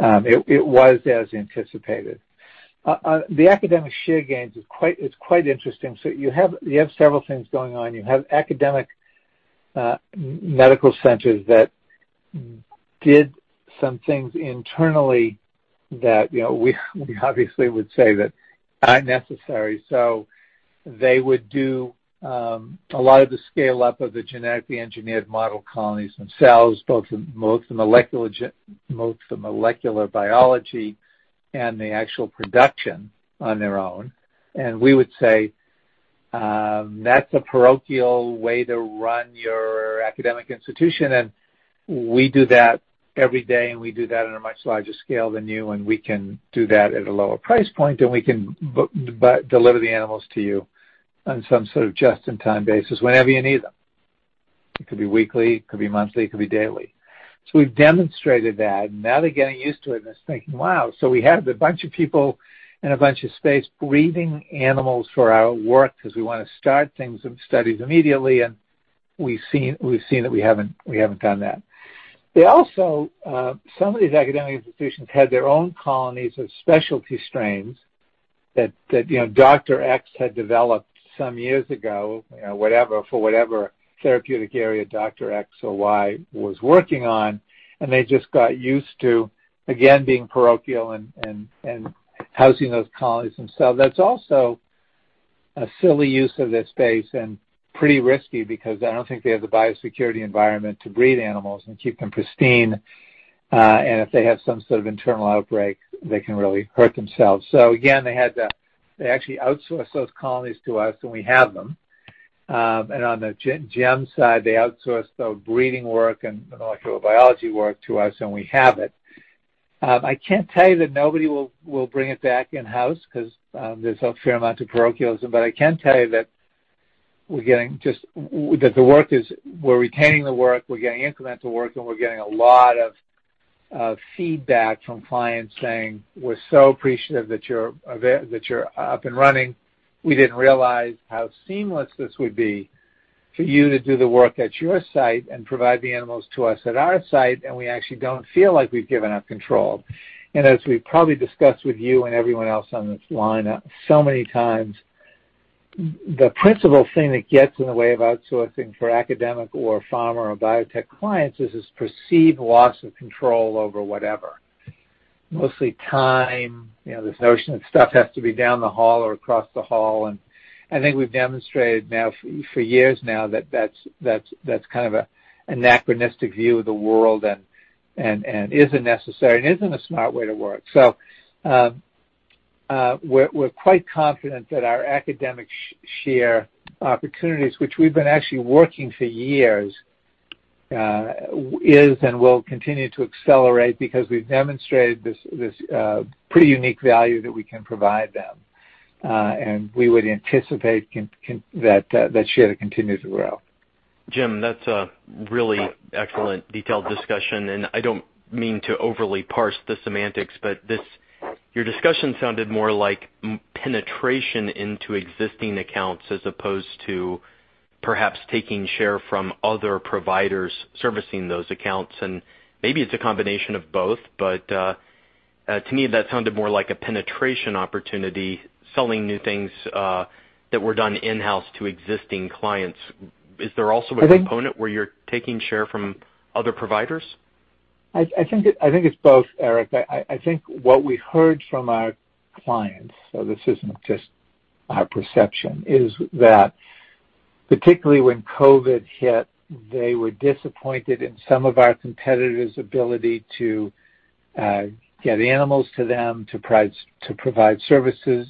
it was as anticipated. The academic share gains is quite interesting. So you have several things going on. You have academic medical centers that did some things internally that we obviously would say that aren't necessary. So they would do a lot of the scale-up of the genetically engineered Model Colonies themselves, both the molecular biology and the actual production on their own. And we would say, that's a parochial way to run your academic institution, and we do that every day, and we do that on a much larger scale than you, and we can do that at a lower price point, and we can deliver the animals to you on some sort of just-in-time basis whenever you need them. It could be weekly. It could be monthly. It could be daily. So we've demonstrated that. And now they're getting used to it and are thinking, "Wow." So we have a bunch of people and a bunch of space breeding animals for our work because we want to start things and studies immediately, and we've seen that we haven't done that. Also, some of these academic institutions had their own colonies of specialty strains that Dr. X had developed some years ago, whatever, for whatever therapeutic area Dr. X or Y was working on, and they just got used to, again, being parochial and housing those colonies themselves. That's also a silly use of their space and pretty risky because I don't think they have the biosecurity environment to breed animals and keep them pristine. And if they have some sort of internal outbreak, they can really hurt themselves. So again, they had to actually outsource those colonies to us, and we have them. And on the GEM side, they outsourced the breeding work and the molecular biology work to us, and we have it. I can't tell you that nobody will bring it back in-house because there's a fair amount of parochialism, but I can tell you that we're getting just that the work is we're retaining the work. We're getting incremental work, and we're getting a lot of feedback from clients saying, "We're so appreciative that you're up and running. We didn't realize how seamless this would be for you to do the work at your site and provide the animals to us at our site, and we actually don't feel like we've given up control." And as we've probably discussed with you and everyone else on this line so many times, the principal thing that gets in the way of outsourcing for academic or pharma or biotech clients is this perceived loss of control over whatever, mostly time. There's notion that stuff has to be down the hall or across the hall. And I think we've demonstrated now for years now that that's kind of an anachronistic view of the world and isn't necessary and isn't a smart way to work. We're quite confident that our academic share opportunities, which we've been actually working for years, is and will continue to accelerate because we've demonstrated this pretty unique value that we can provide them. And we would anticipate that share to continue to grow. Jim, that's a really excellent detailed discussion. And I don't mean to overly parse the semantics, but your discussion sounded more like penetration into existing accounts as opposed to perhaps taking share from other providers servicing those accounts. And maybe it's a combination of both, but to me, that sounded more like a penetration opportunity, selling new things that were done in-house to existing clients. Is there also a component where you're taking share from other providers? I think it's both, Eric. I think what we heard from our clients, so this isn't just our perception, is that particularly when COVID hit, they were disappointed in some of our competitors' ability to get animals to them, to provide services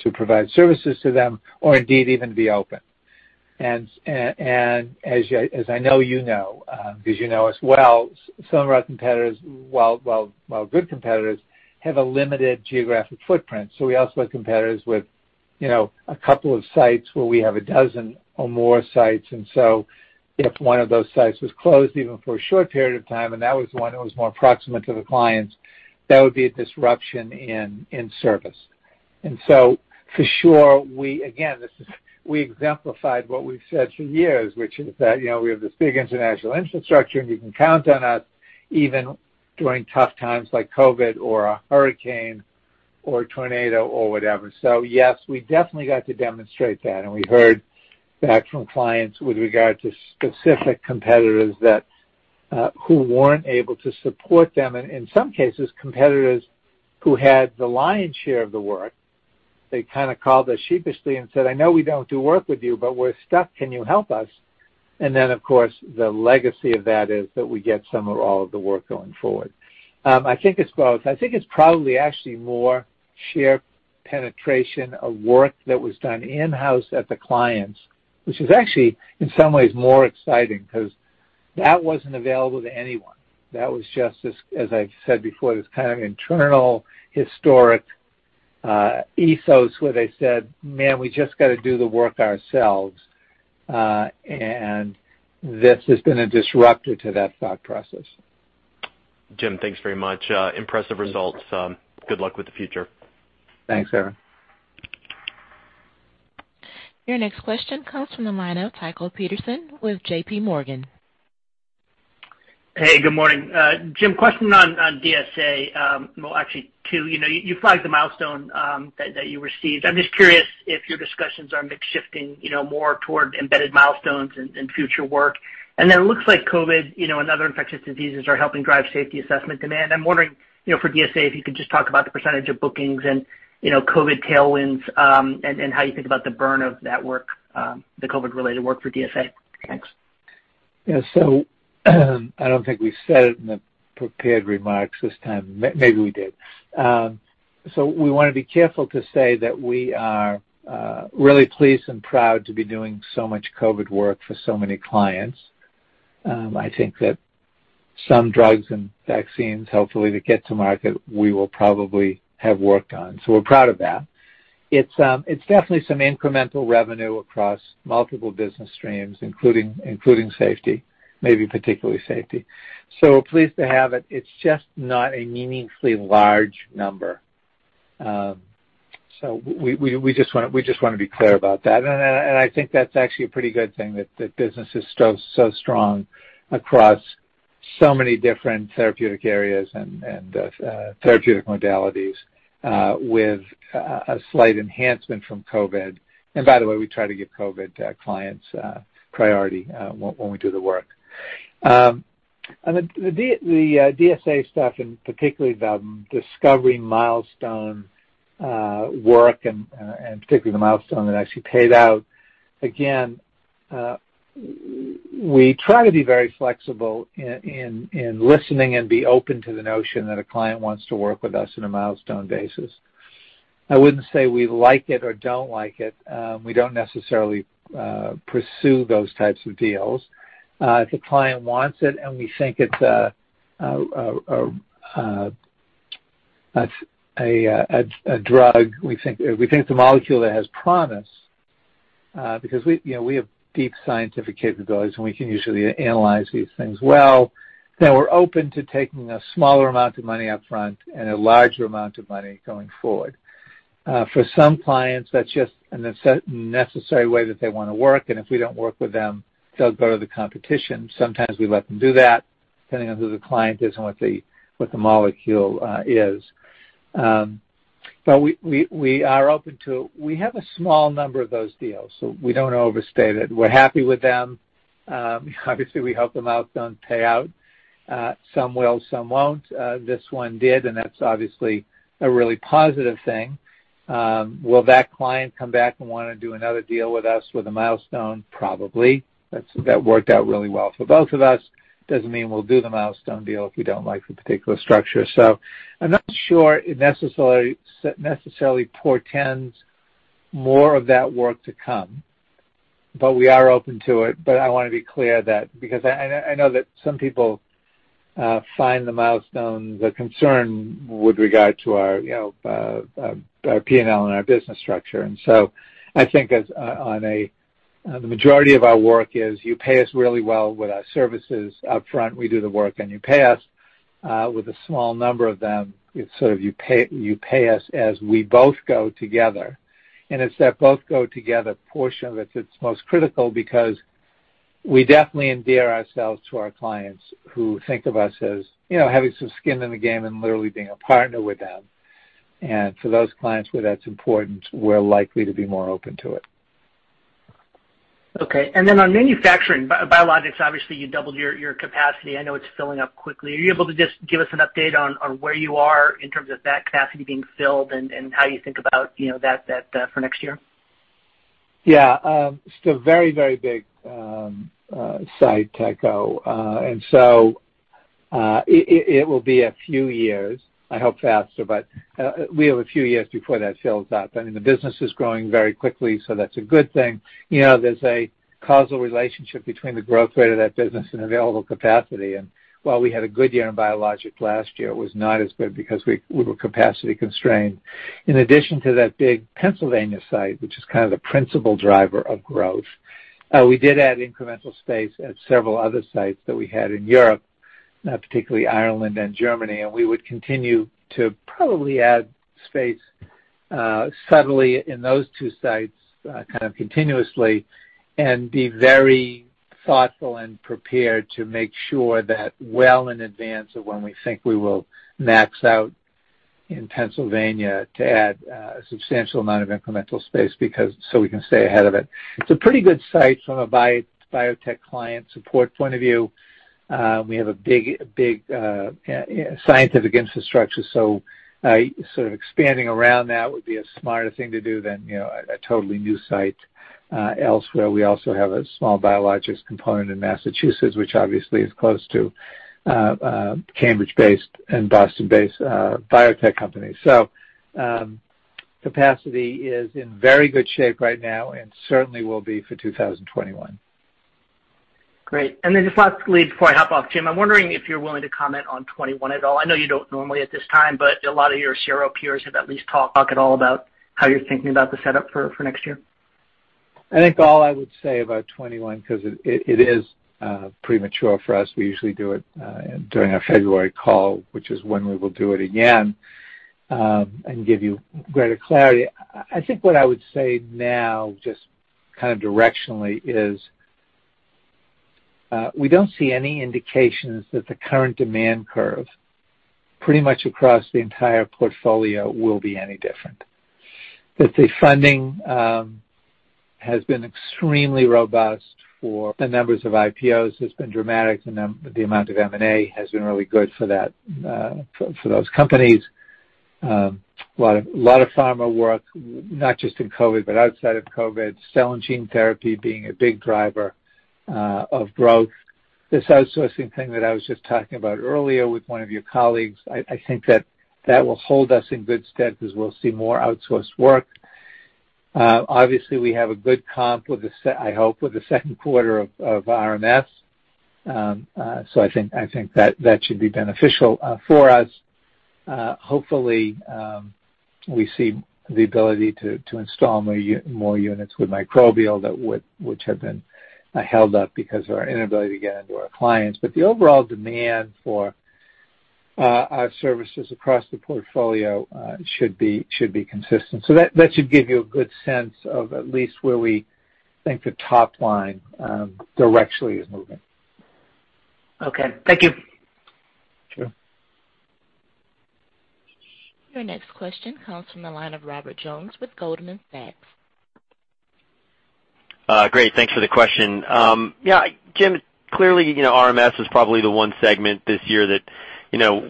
to them, or indeed even be open. And as I know you know, because you know us well, some of our competitors, while good competitors, have a limited geographic footprint. So we also have competitors with a couple of sites where we have a dozen or more sites. And so if one of those sites was closed even for a short period of time, and that was the one that was more proximate to the clients, that would be a disruption in service. And so for sure, again, we exemplified what we've said for years, which is that we have this big international infrastructure, and you can count on us even during tough times like COVID or a hurricane or tornado or whatever. So yes, we definitely got to demonstrate that. And we heard back from clients with regard to specific competitors who weren't able to support them. And in some cases, competitors who had the lion's share of the work, they kind of called us sheepishly and said, "I know we don't do work with you, but we're stuck. Can you help us?" And then, of course, the legacy of that is that we get some or all of the work going forward. I think it's both. I think it's probably actually more share penetration of work that was done in-house at the clients, which is actually in some ways more exciting because that wasn't available to anyone. That was just, as I've said before, this kind of internal historic ethos where they said, "Man, we just got to do the work ourselves." And this has been a disruptor to that thought process. Jim, thanks very much. Impressive results. Good luck with the future. Thanks, Eric. Your next question comes from the line of Tycho Peterson with JPMorgan. Hey, good morning. Jim, question on DSA. Well, actually, two. You flagged the milestone that you received. I'm just curious if your discussions are shifting more toward embedded milestones and future work. And then it looks like COVID and other infectious diseases are helping drive safety assessment demand. I'm wondering for DSA if you could just talk about the percentage of bookings and COVID tailwinds and how you think about the burn of that work, the COVID-related work for DSA. Thanks. Yeah. So I don't think we said it in the prepared remarks this time. Maybe we did. So we want to be careful to say that we are really pleased and proud to be doing so much COVID work for so many clients. I think that some drugs and vaccines, hopefully, that get to market, we will probably have worked on. So we're proud of that. It's definitely some incremental revenue across multiple business streams, including safety, maybe particularly safety. So we're pleased to have it. It's just not a meaningfully large number. So we just want to be clear about that. I think that's actually a pretty good thing that business is so strong across so many different therapeutic areas and therapeutic modalities with a slight enhancement from COVID. By the way, we try to give COVID clients priority when we do the work. The DSA stuff, and particularly the discovery milestone work, and particularly the milestone that actually paid out, again, we try to be very flexible in listening and be open to the notion that a client wants to work with us on a milestone basis. I wouldn't say we like it or don't like it. We don't necessarily pursue those types of deals. If a client wants it and we think it's a drug, we think it's a molecule that has promise because we have deep scientific capabilities, and we can usually analyze these things well. We're open to taking a smaller amount of money upfront and a larger amount of money going forward. For some clients, that's just a necessary way that they want to work. And if we don't work with them, they'll go to the competition. Sometimes we let them do that, depending on who the client is and what the molecule is. But we are open to it. We have a small number of those deals, so we don't overstate it. We're happy with them. Obviously, we hope the milestone payout. Some will, some won't. This one did, and that's obviously a really positive thing. Will that client come back and want to do another deal with us with a milestone? Probably. That worked out really well for both of us. Doesn't mean we'll do the milestone deal if we don't like the particular structure. So I'm not sure it necessarily portends more of that work to come, but we are open to it. But I want to be clear that because I know that some people find the milestones a concern with regard to our P&L and our business structure. And so I think on a majority of our work is you pay us really well with our services upfront. We do the work, and you pay us with a small number of them. It's sort of you pay us as we both go together. And it's that both go together portion that's most critical because we definitely endear ourselves to our clients who think of us as having some skin in the game and literally being a partner with them. And for those clients where that's important, we're likely to be more open to it. Okay. And then on Manufacturing, Biologics, obviously, you doubled your capacity. I know it's filling up quickly. Are you able to just give us an update on where you are in terms of that capacity being filled and how you think about that for next year? Yeah. It's a very, very big site, Tycho. And so it will be a few years. I hope faster, but we have a few years before that fills up. I mean, the business is growing very quickly, so that's a good thing. There's a causal relationship between the growth rate of that business and available capacity. And while we had a good year in biologics last year, it was not as good because we were capacity constrained. In addition to that big Pennsylvania site, which is kind of the principal driver of growth, we did add incremental space at several other sites that we had in Europe, particularly Ireland and Germany. And we would continue to probably add space subtly in those two sites kind of continuously and be very thoughtful and prepared to make sure that well in advance of when we think we will max out in Pennsylvania to add a substantial amount of incremental space so we can stay ahead of it. It's a pretty good site from a biotech client support point of view. We have a big scientific infrastructure. So sort of expanding around that would be a smarter thing to do than a totally new site elsewhere. We also have a small Biologics component in Massachusetts, which obviously is close to Cambridge-based and Boston-based biotech companies. Capacity is in very good shape right now and certainly will be for 2021. Great. Then just lastly before I hop off, Jim, I'm wondering if you're willing to comment on 2021 at all. I know you don't normally at this time, but a lot of your CRO peers have at least talked at all about how you're thinking about the setup for next year. I think all I would say about 2021 because it is premature for us. We usually do it during our February call, which is when we will do it again and give you greater clarity. I think what I would say now just kind of directionally is we don't see any indications that the current demand curve pretty much across the entire portfolio will be any different. The funding has been extremely robust for the numbers of IPOs. It's been dramatic. The amount of M&A has been really good for those companies. A lot of pharma work, not just in COVID, but outside of COVID, cell and gene therapy being a big driver of growth. This outsourcing thing that I was just talking about earlier with one of your colleagues, I think that that will hold us in good stead because we'll see more outsourced work. Obviously, we have a good comp, I hope, with the Q2 of RMS. So I think that should be beneficial for us. Hopefully, we see the ability to install more units with microbial, which have been held up because of our inability to get into our clients. But the overall demand for our services across the portfolio should be consistent. So that should give you a good sense of at least where we think the top line directionally is moving. Okay. Thank you. Sure. Your next question comes from the line of Robert Jones with Goldman Sachs. Great. Thanks for the question. Yeah. Jim, clearly, RMS is probably the one segment this year that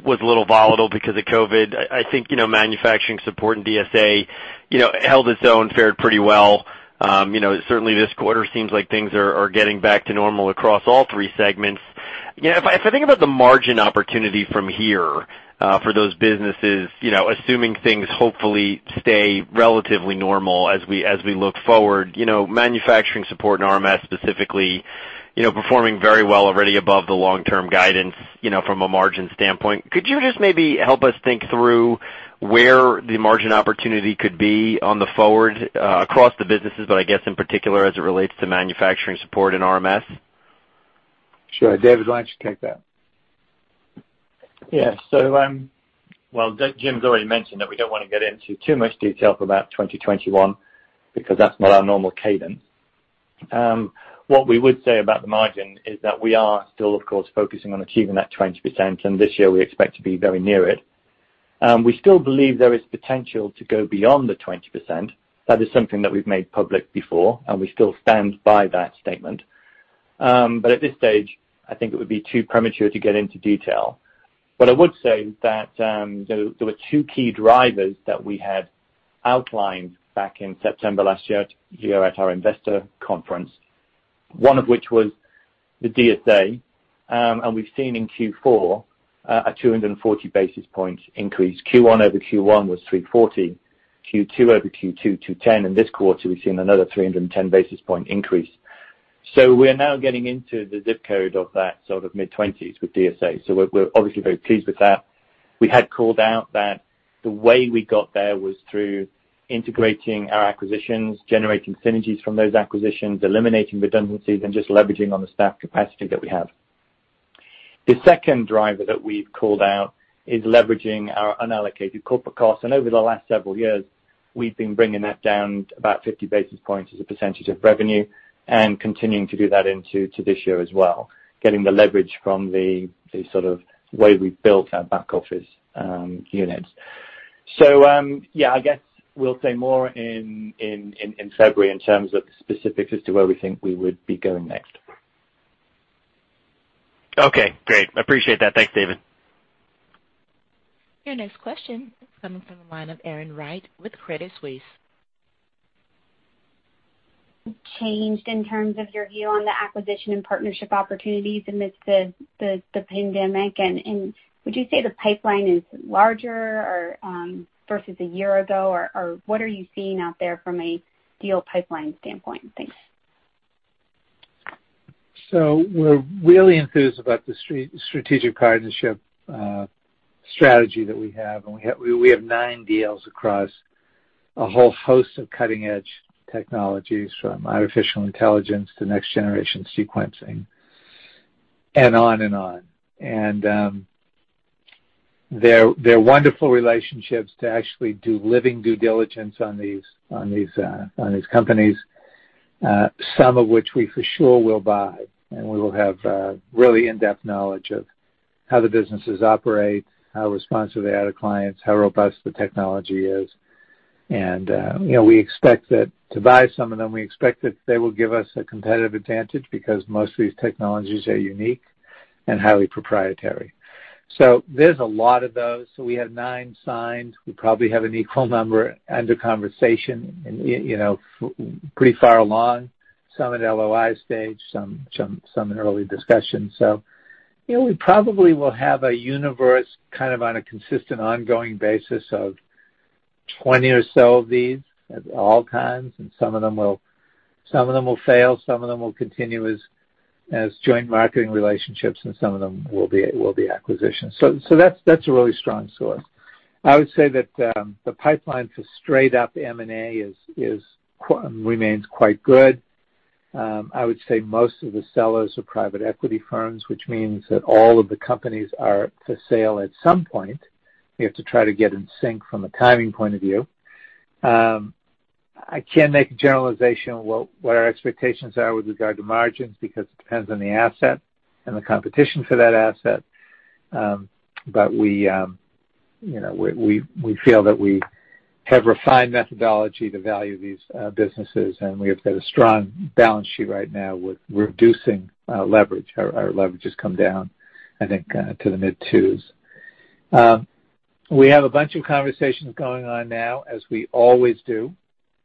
was a little volatile because of COVID. I think Manufactuting Support and DSA held its own, fared pretty well. Certainly, this quarter seems like things are getting back to normal across all three segments. If I think about the margin opportunity from here for those businesses, assuming things hopefully stay relatively normal as we look forward, Manufacturing Support and RMS specifically performing very well already above the long-term guidance from a margin standpoint. Could you just maybe help us think through where the margin opportunity could be on the forward across the businesses, but I guess in particular as it relates to Manufacturing Support and RMS? Sure. David, why don't you take that? Yeah. Jim's already mentioned that we don't want to get into too much detail about 2021 because that's not our normal cadence. What we would say about the margin is that we are still, of course, focusing on achieving that 20%, and this year we expect to be very near it. We still believe there is potential to go beyond the 20%. That is something that we've made public before, and we still stand by that statement. But at this stage, I think it would be too premature to get into detail. But I would say that there were two key drivers that we had outlined back in September last year at our investor conference, one of which was the DSA, and we've seen in Q4 a 240 basis point increase. Q1 over Q1 was 340. Q2 over Q2, 210, and this quarter, we've seen another 310 basis point increase. So we're now getting into the zip code of that sort of mid-20s with DSA. So we're obviously very pleased with that. We had called out that the way we got there was through integrating our acquisitions, generating synergies from those acquisitions, eliminating redundancies, and just leveraging on the staff capacity that we have. The second driver that we've called out is leveraging our unallocated corporate costs. And over the last several years, we've been bringing that down about 50 basis points as a percentage of revenue and continuing to do that into this year as well, getting the leverage from the sort of way we've built our back office units. So yeah, I guess we'll say more in February in terms of specifics as to where we think we would be going next. Okay. Great. Appreciate that. Thanks, David. Your next question is coming from the line of Erin Wright with Credit Suisse. Changed in terms of your view on the acquisition and partnership opportunities amidst the pandemic? And would you say the pipeline is larger versus a year ago, or what are you seeing out there from a deal pipeline standpoint? Thanks. So we're really enthused about the strategic partnership strategy that we have. And we have nine deals across a whole host of cutting-edge technologies from artificial intelligence to next-generation sequencing and on and on. And they're wonderful relationships to actually do living due diligence on these companies, some of which we for sure will buy. And we will have really in-depth knowledge of how the businesses operate, how responsive they are to clients, how robust the technology is. We expect that to buy some of them, we expect that they will give us a competitive advantage because most of these technologies are unique and highly proprietary. So there's a lot of those. So we have nine signed. We probably have an equal number under conversation pretty far along, some at LOI stage, some in early discussion. So we probably will have a universe kind of on a consistent ongoing basis of 20 or so of these at all times. And some of them will fail. Some of them will continue as joint marketing relationships, and some of them will be acquisitions. So that's a really strong source. I would say that the pipeline for straight-up M&A remains quite good. I would say most of the sellers are private equity firms, which means that all of the companies are for sale at some point. We have to try to get in sync from a timing point of view. I can't make a generalization of what our expectations are with regard to margins because it depends on the asset and the competition for that asset. But we feel that we have refined methodology to value these businesses, and we have got a strong balance sheet right now with reducing leverage. Our leverage has come down, I think, to the mid-2s. We have a bunch of conversations going on now, as we always do,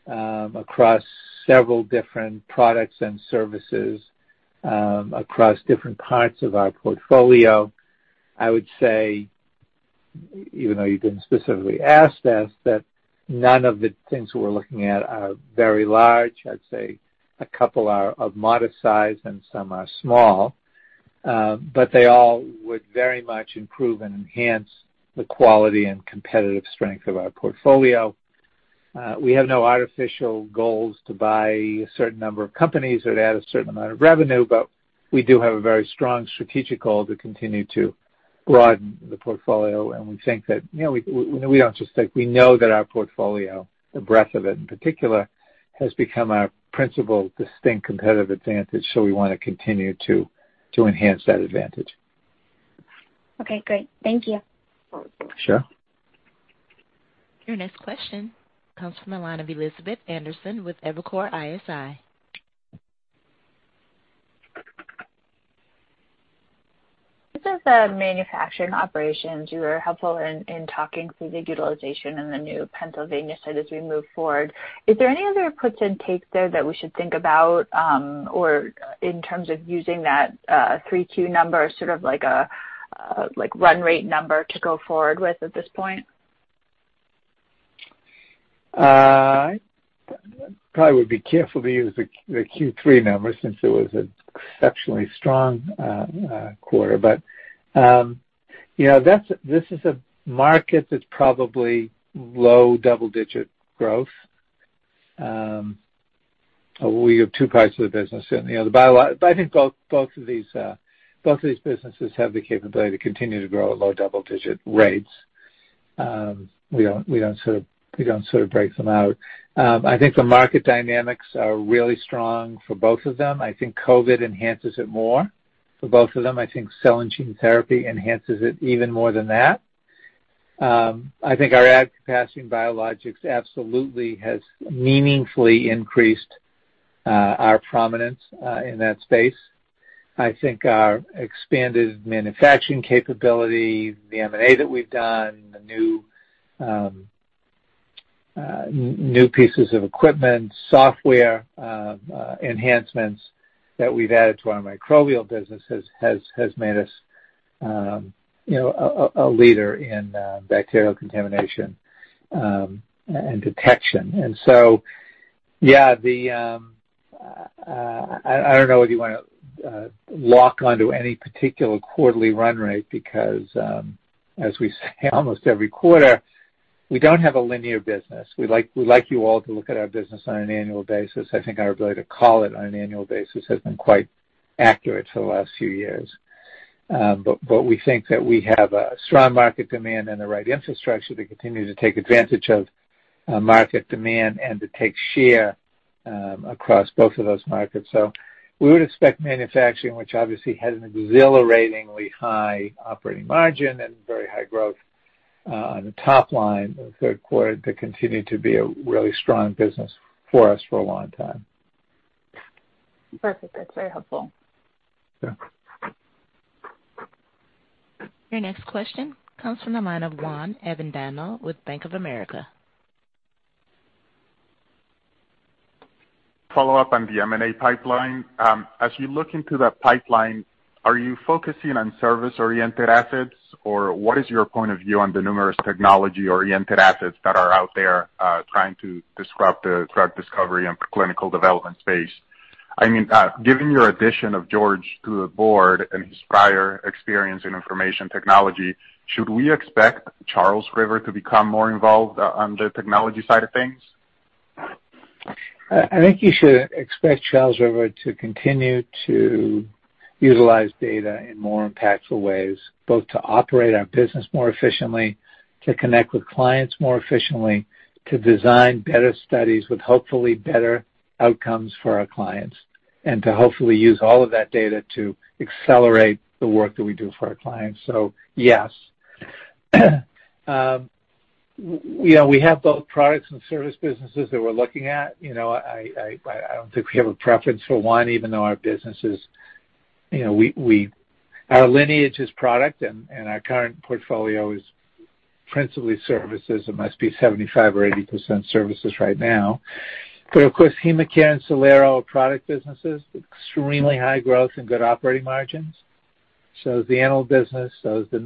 across several different products and services across different parts of our portfolio. I would say, even though you didn't specifically ask us, that none of the things we're looking at are very large. I'd say a couple are of modest size and some are small, but they all would very much improve and enhance the quality and competitive strength of our portfolio. We have no artificial goals to buy a certain number of companies or to add a certain amount of revenue, but we do have a very strong strategic goal to continue to broaden the portfolio. And we think that we don't just think. We know that our portfolio, the breadth of it in particular, has become our principal distinct competitive advantage. So we want to continue to enhance that advantage. Okay. Great. Thank you. Sure. Your next question comes from the line of Elizabeth Anderson with Evercore ISI. This is manufacturing operations. You were helpful in talking through the utilization and the new Pennsylvania site as we move forward. Is there any other puts and takes there that we should think about in terms of using that Q3 number as sort of like a run rate number to go forward with at this point? I probably would be careful to use the Q3 number since it was an exceptionally strong quarter. But this is a market that's probably low double-digit growth. We have two parts of the business. But I think both of these businesses have the capability to continue to grow at low double-digit rates. We don't sort of break them out. I think the market dynamics are really strong for both of them. I think COVID enhances it more for both of them. I think cell and gene therapy enhances it even more than that. I think our added capacity in biologics absolutely has meaningfully increased our prominence in that space. I think our expanded manufacturing capability, the M&A that we've done, the new pieces of equipment, software enhancements that we've added to our microbial business has made us a leader in bacterial contamination and detection. And so, yeah, I don't know whether you want to lock onto any particular quarterly run rate because, as we say almost every quarter, we don't have a linear business. We'd like you all to look at our business on an annual basis. I think our ability to call it on an annual basis has been quite accurate for the last few years. But we think that we have a strong market demand and the right infrastructure to continue to take advantage of market demand and to take share across both of those markets. So we would expect manufacturing, which obviously has an exhilaratingly high operating margin and very high growth on the top line in the Q3, to continue to be a really strong business for us for a long time. Perfect. That's very helpful. Sure. Your next question comes from the line of Juan Avendano with Bank of America. Follow-up on the M&A pipeline. As you look into that pipeline, are you focusing on service-oriented assets, or what is your point of view on the numerous technology-oriented assets that are out there trying to disrupt the drug discovery and clinical development space? I mean, given your addition of George to the board and his prior experience in information technology, should we expect Charles River to become more involved on the technology side of things? I think you should expect Charles River to continue to utilize data in more impactful ways, both to operate our business more efficiently, to connect with clients more efficiently, to design better studies with hopefully better outcomes for our clients, and to hopefully use all of that data to accelerate the work that we do for our clients. So yes. We have both products and service businesses that we're looking at. I don't think we have a preference for one, even though our businesses, our lineage is product, and our current portfolio is principally services. It must be 75% or 80% services right now. But of course, HemaCare and Cellero are product businesses, extremely high growth and good operating margins. So is the animal business. So is the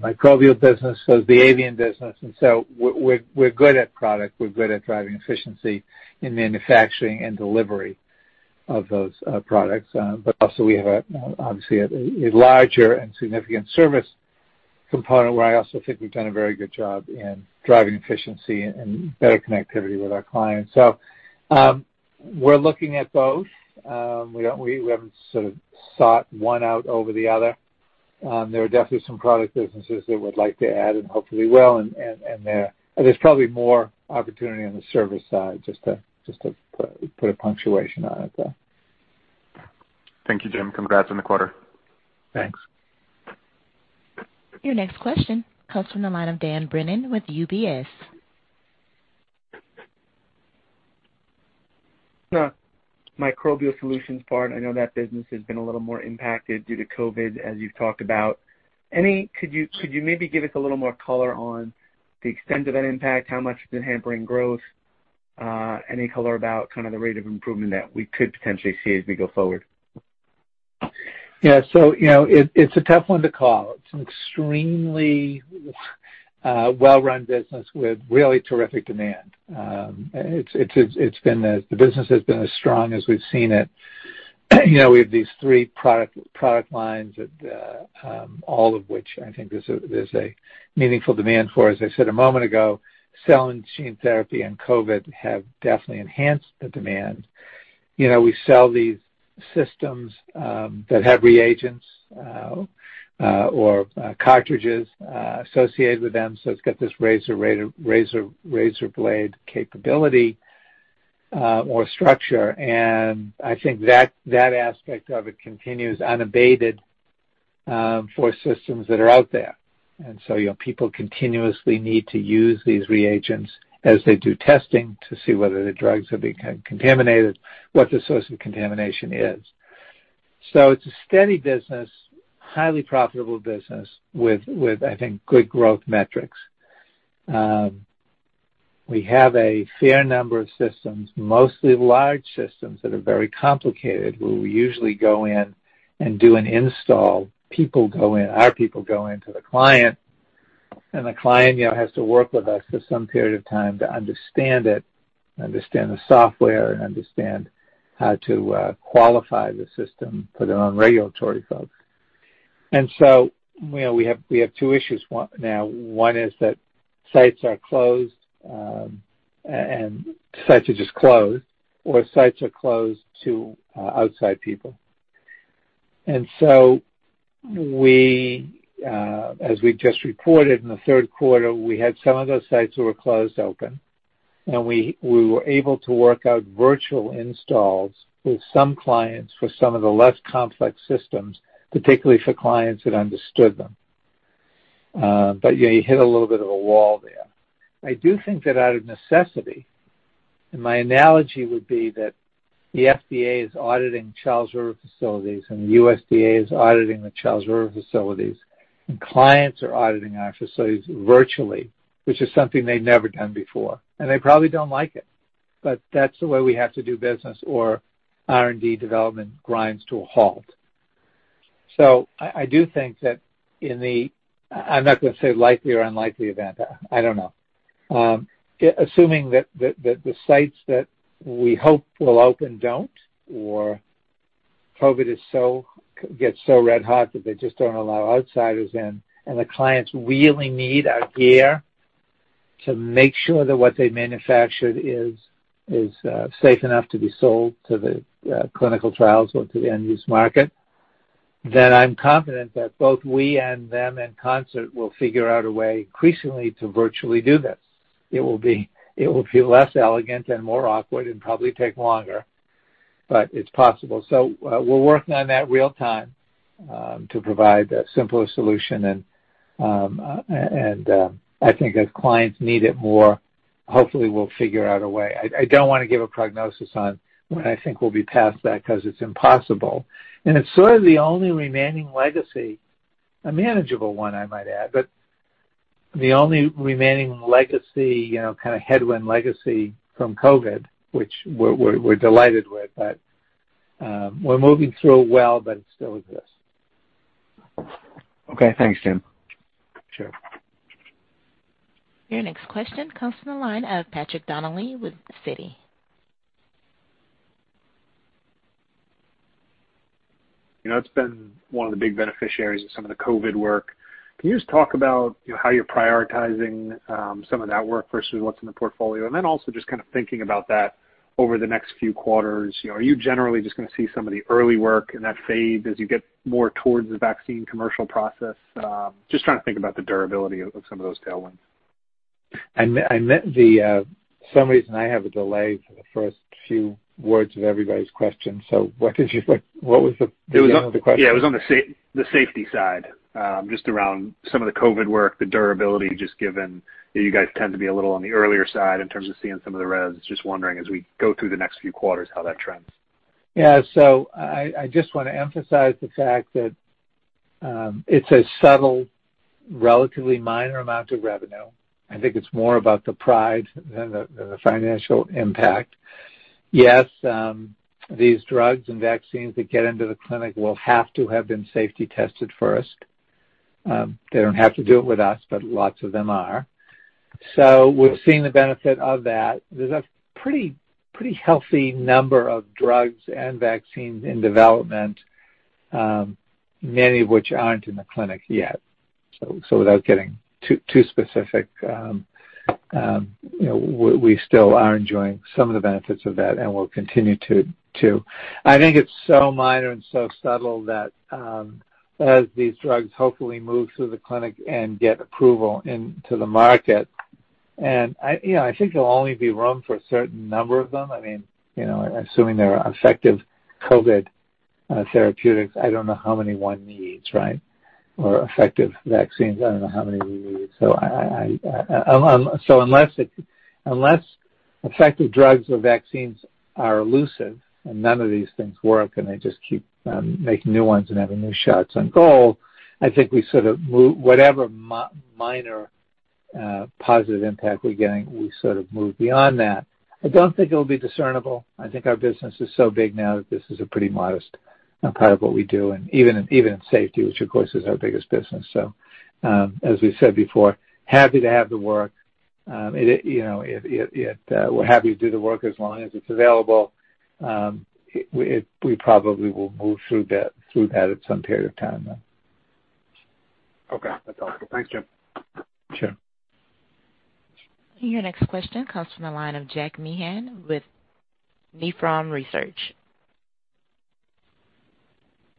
Microbial business. So is the Avian business. And so we're good at product. We're good at driving efficiency in manufacturing and delivery of those products. But also, we have obviously a larger and significant service component where I also think we've done a very good job in driving efficiency and better connectivity with our clients. So we're looking at both. We haven't sort of sought one out over the other. There are definitely some product businesses that would like to add and hopefully will, and there's probably more opportunity on the service side, just to put a punctuation on it, though. Thank you, Jim. Congrats on the quarter. Thanks. Your next question comes from the line of Dan Brennan with UBS. Sure. Microbial Solutions part. I know that business has been a little more impacted due to COVID, as you've talked about. Could you maybe give us a little more color on the extent of that impact, how much it's been hampering growth? Any color about kind of the rate of improvement that we could potentially see as we go forward? Yeah, so it's a tough one to call. It's an extremely well-run business with really terrific demand. The business has been as strong as we've seen it. We have these three product lines, all of which I think there's a meaningful demand for. As I said a moment ago, cell and gene therapy and COVID have definitely enhanced the demand. We sell these systems that have reagents or cartridges associated with them. So it's got this razor-blade capability or structure. And I think that aspect of it continues unabated for systems that are out there. And so people continuously need to use these reagents as they do testing to see whether the drugs have been contaminated, what the source of contamination is. So it's a steady business, highly profitable business with, I think, good growth metrics. We have a fair number of systems, mostly large systems that are very complicated, where we usually go in and do an install. Our people go in to the client, and the client has to work with us for some period of time to understand it, understand the software, and understand how to qualify the system for their own regulatory folks. And so we have two issues now. One is that sites are closed, and sites are just closed, or sites are closed to outside people. And so as we just reported in the Q3, we had some of those sites that were closed open, and we were able to work out virtual installs with some clients for some of the less complex systems, particularly for clients that understood them. But you hit a little bit of a wall there. I do think that out of necessity, and my analogy would be that the FDA is auditing Charles River facilities, and the USDA is auditing the Charles River facilities, and clients are auditing our facilities virtually, which is something they've never done before, and they probably don't like it, but that's the way we have to do business, or R&D development grinds to a halt, so I do think that in the, I'm not going to say likely or unlikely event. I don't know. Assuming that the sites that we hope will open don't, or COVID gets so red hot that they just don't allow outsiders in, and the clients really need our gear to make sure that what they manufactured is safe enough to be sold to the clinical trials or to the end-use market, then I'm confident that both we and them in concert will figure out a way increasingly to virtually do this. It will be less elegant and more awkward and probably take longer, but it's possible, so we're working on that real-time to provide a simpler solution. And I think as clients need it more, hopefully, we'll figure out a way. I don't want to give a prognosis on when I think we'll be past that because it's impossible, and it's sort of the only remaining legacy, a manageable one, I might add. But the only remaining legacy, kind of headwind legacy from COVID, which we're delighted with, but we're moving through it well, but it still exists. Okay. Thanks, Jim. Sure. Your next question comes from the line of Patrick Donnelly with Citi. It's been one of the big beneficiaries of some of the COVID work. Can you just talk about how you're prioritizing some of that work versus what's in the portfolio? And then also just kind of thinking about that over the next few quarters. Are you generally just going to see some of the early work and that fade as you get more towards the vaccine commercial process? Just trying to think about the durability of some of those tailwinds. I meant the - for some reason, I have a delay for the first few words of everybody's question. So what was the beginning of the question? It was on the safety side, just around some of the COVID work, the durability, just given that you guys tend to be a little on the earlier side in terms of seeing some of the res? Just wondering, as we go through the next few quarters, how that trends. Yeah. So I just want to emphasize the fact that it's a subtle, relatively minor amount of revenue. I think it's more about the upside than the financial impact. Yes, these drugs and vaccines that get into the clinic will have to have been safety tested first. They don't have to do it with us, but lots of them are. So we've seen the benefit of that. There's a pretty healthy number of drugs and vaccines in development, many of which aren't in the clinic yet. So without getting too specific, we still are enjoying some of the benefits of that, and we'll continue to. I think it's so minor and so subtle that as these drugs hopefully move through the clinic and get approval into the market, and I think there'll only be room for a certain number of them. I mean, assuming they're effective COVID therapeutics, I don't know how many one needs, right? Or effective vaccines, I don't know how many we need. So unless effective drugs or vaccines are elusive and none of these things work and they just keep making new ones and having new shots on goal, I think we sort of move whatever minor positive impact we're getting, we sort of move beyond that. I don't think it'll be discernible. I think our business is so big now that this is a pretty modest part of what we do, and even in safety, which, of course, is our biggest business. So as we said before, happy to have the work. We're happy to do the work as long as it's available. We probably will move through that at some period of time, though. Okay. That's helpful. Thanks, Jim. Sure. Your next question comes from the line of Jack Meehan with Nephron Research.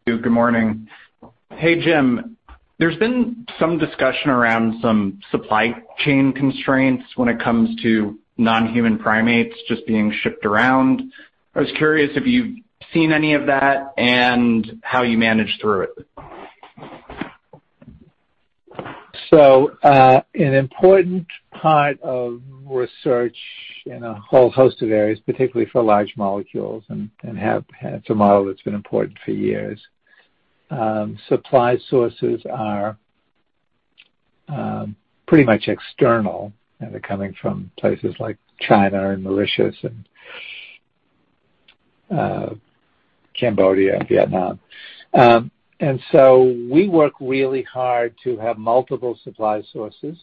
Good morning. Hey, Jim. There's been some discussion around some supply chain constraints when it comes to non-human primates just being shipped around. I was curious if you've seen any of that and how you managed through it. So an important part of research in a whole host of areas, particularly for large molecules, and it's a model that's been important for years. Supply sources are pretty much external, and they're coming from places like China and Mauritius and Cambodia and Vietnam. And so we work really hard to have multiple supply sources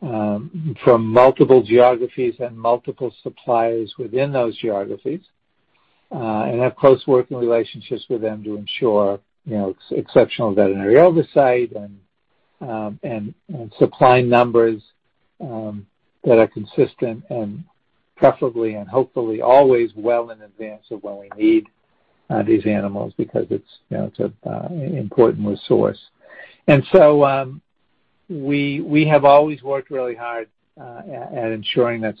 from multiple geographies and multiple suppliers within those geographies, and have close working relationships with them to ensure exceptional veterinary oversight and supply numbers that are consistent and preferably and hopefully always well in advance of when we need these animals because it's an important resource. And so we have always worked really hard at ensuring that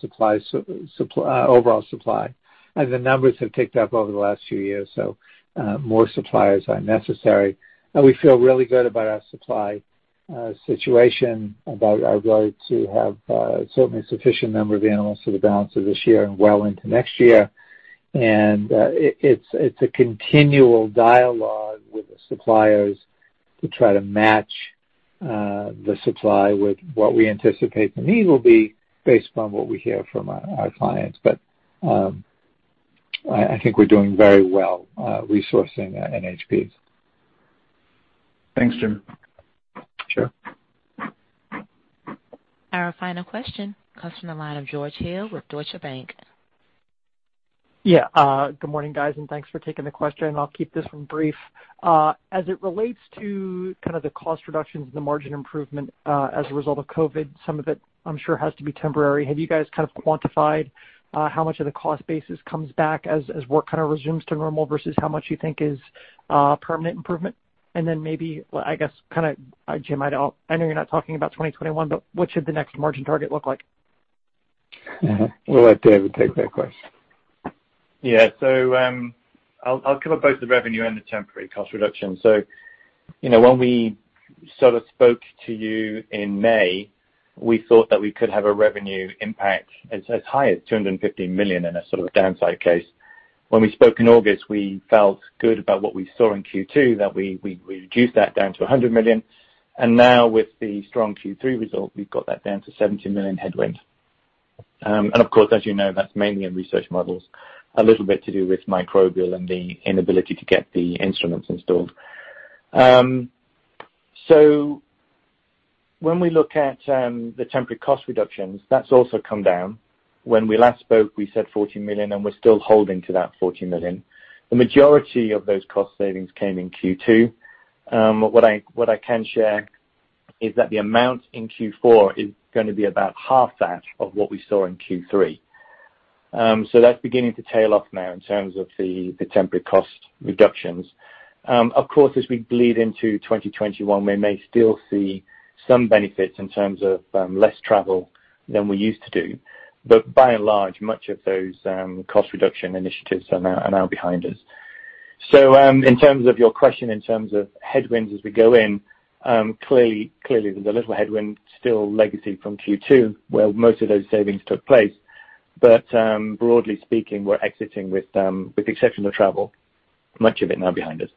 overall supply. And the numbers have ticked up over the last few years, so more suppliers are necessary. We feel really good about our supply situation, about our ability to have certainly a sufficient number of animals for the balance of this year and well into next year. And it's a continual dialogue with the suppliers to try to match the supply with what we anticipate the need will be based upon what we hear from our clients. But I think we're doing very well resourcing NHPs. Thanks, Jim. Sure. Our final question comes from the line of George Hill with Deutsche Bank. Yeah. Good morning, guys, and thanks for taking the question. I'll keep this one brief. As it relates to kind of the cost reductions and the margin improvement as a result of COVID, some of it, I'm sure, has to be temporary. Have you guys kind of quantified how much of the cost basis comes back as work kind of resumes to normal versus how much you think is permanent improvement? And then maybe, I guess, kind of, Jim, I know you're not talking about 2021, but what should the next margin target look like? We'll let David take that question. Yeah. So I'll cover both the revenue and the temporary cost reduction. So when we sort of spoke to you in May, we thought that we could have a revenue impact as high as $250 million in a sort of downside case. When we spoke in August, we felt good about what we saw in Q2, that we reduced that down to $100 million. And now, with the strong Q3 result, we've got that down to $70 million headwind. And of course, as you know, that's mainly in research models, a little bit to do with microbial and the inability to get the instruments installed. So when we look at the temporary cost reductions, that's also come down. When we last spoke, we said $40 million, and we're still holding to that $40 million. The majority of those cost savings came in Q2. What I can share is that the amount in Q4 is going to be about half that of what we saw in Q3. So that's beginning to tail off now in terms of the temporary cost reductions. Of course, as we bleed into 2021, we may still see some benefits in terms of less travel than we used to do. But by and large, much of those cost reduction initiatives are now behind us. So in terms of your question, in terms of headwinds as we go in, clearly, there's a little headwind, still legacy from Q2, where most of those savings took place. But broadly speaking, we're exiting with the exception of travel. Much of it now behind us.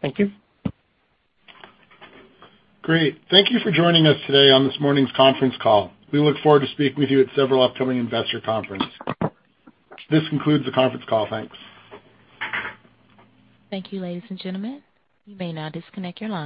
Thank you. Great. Thank you for joining us today on this morning's conference call. We look forward to speaking with you at several upcoming investor conferences. This concludes the conference call. Thanks. Thank you, ladies and gentlemen. You may now disconnect your line.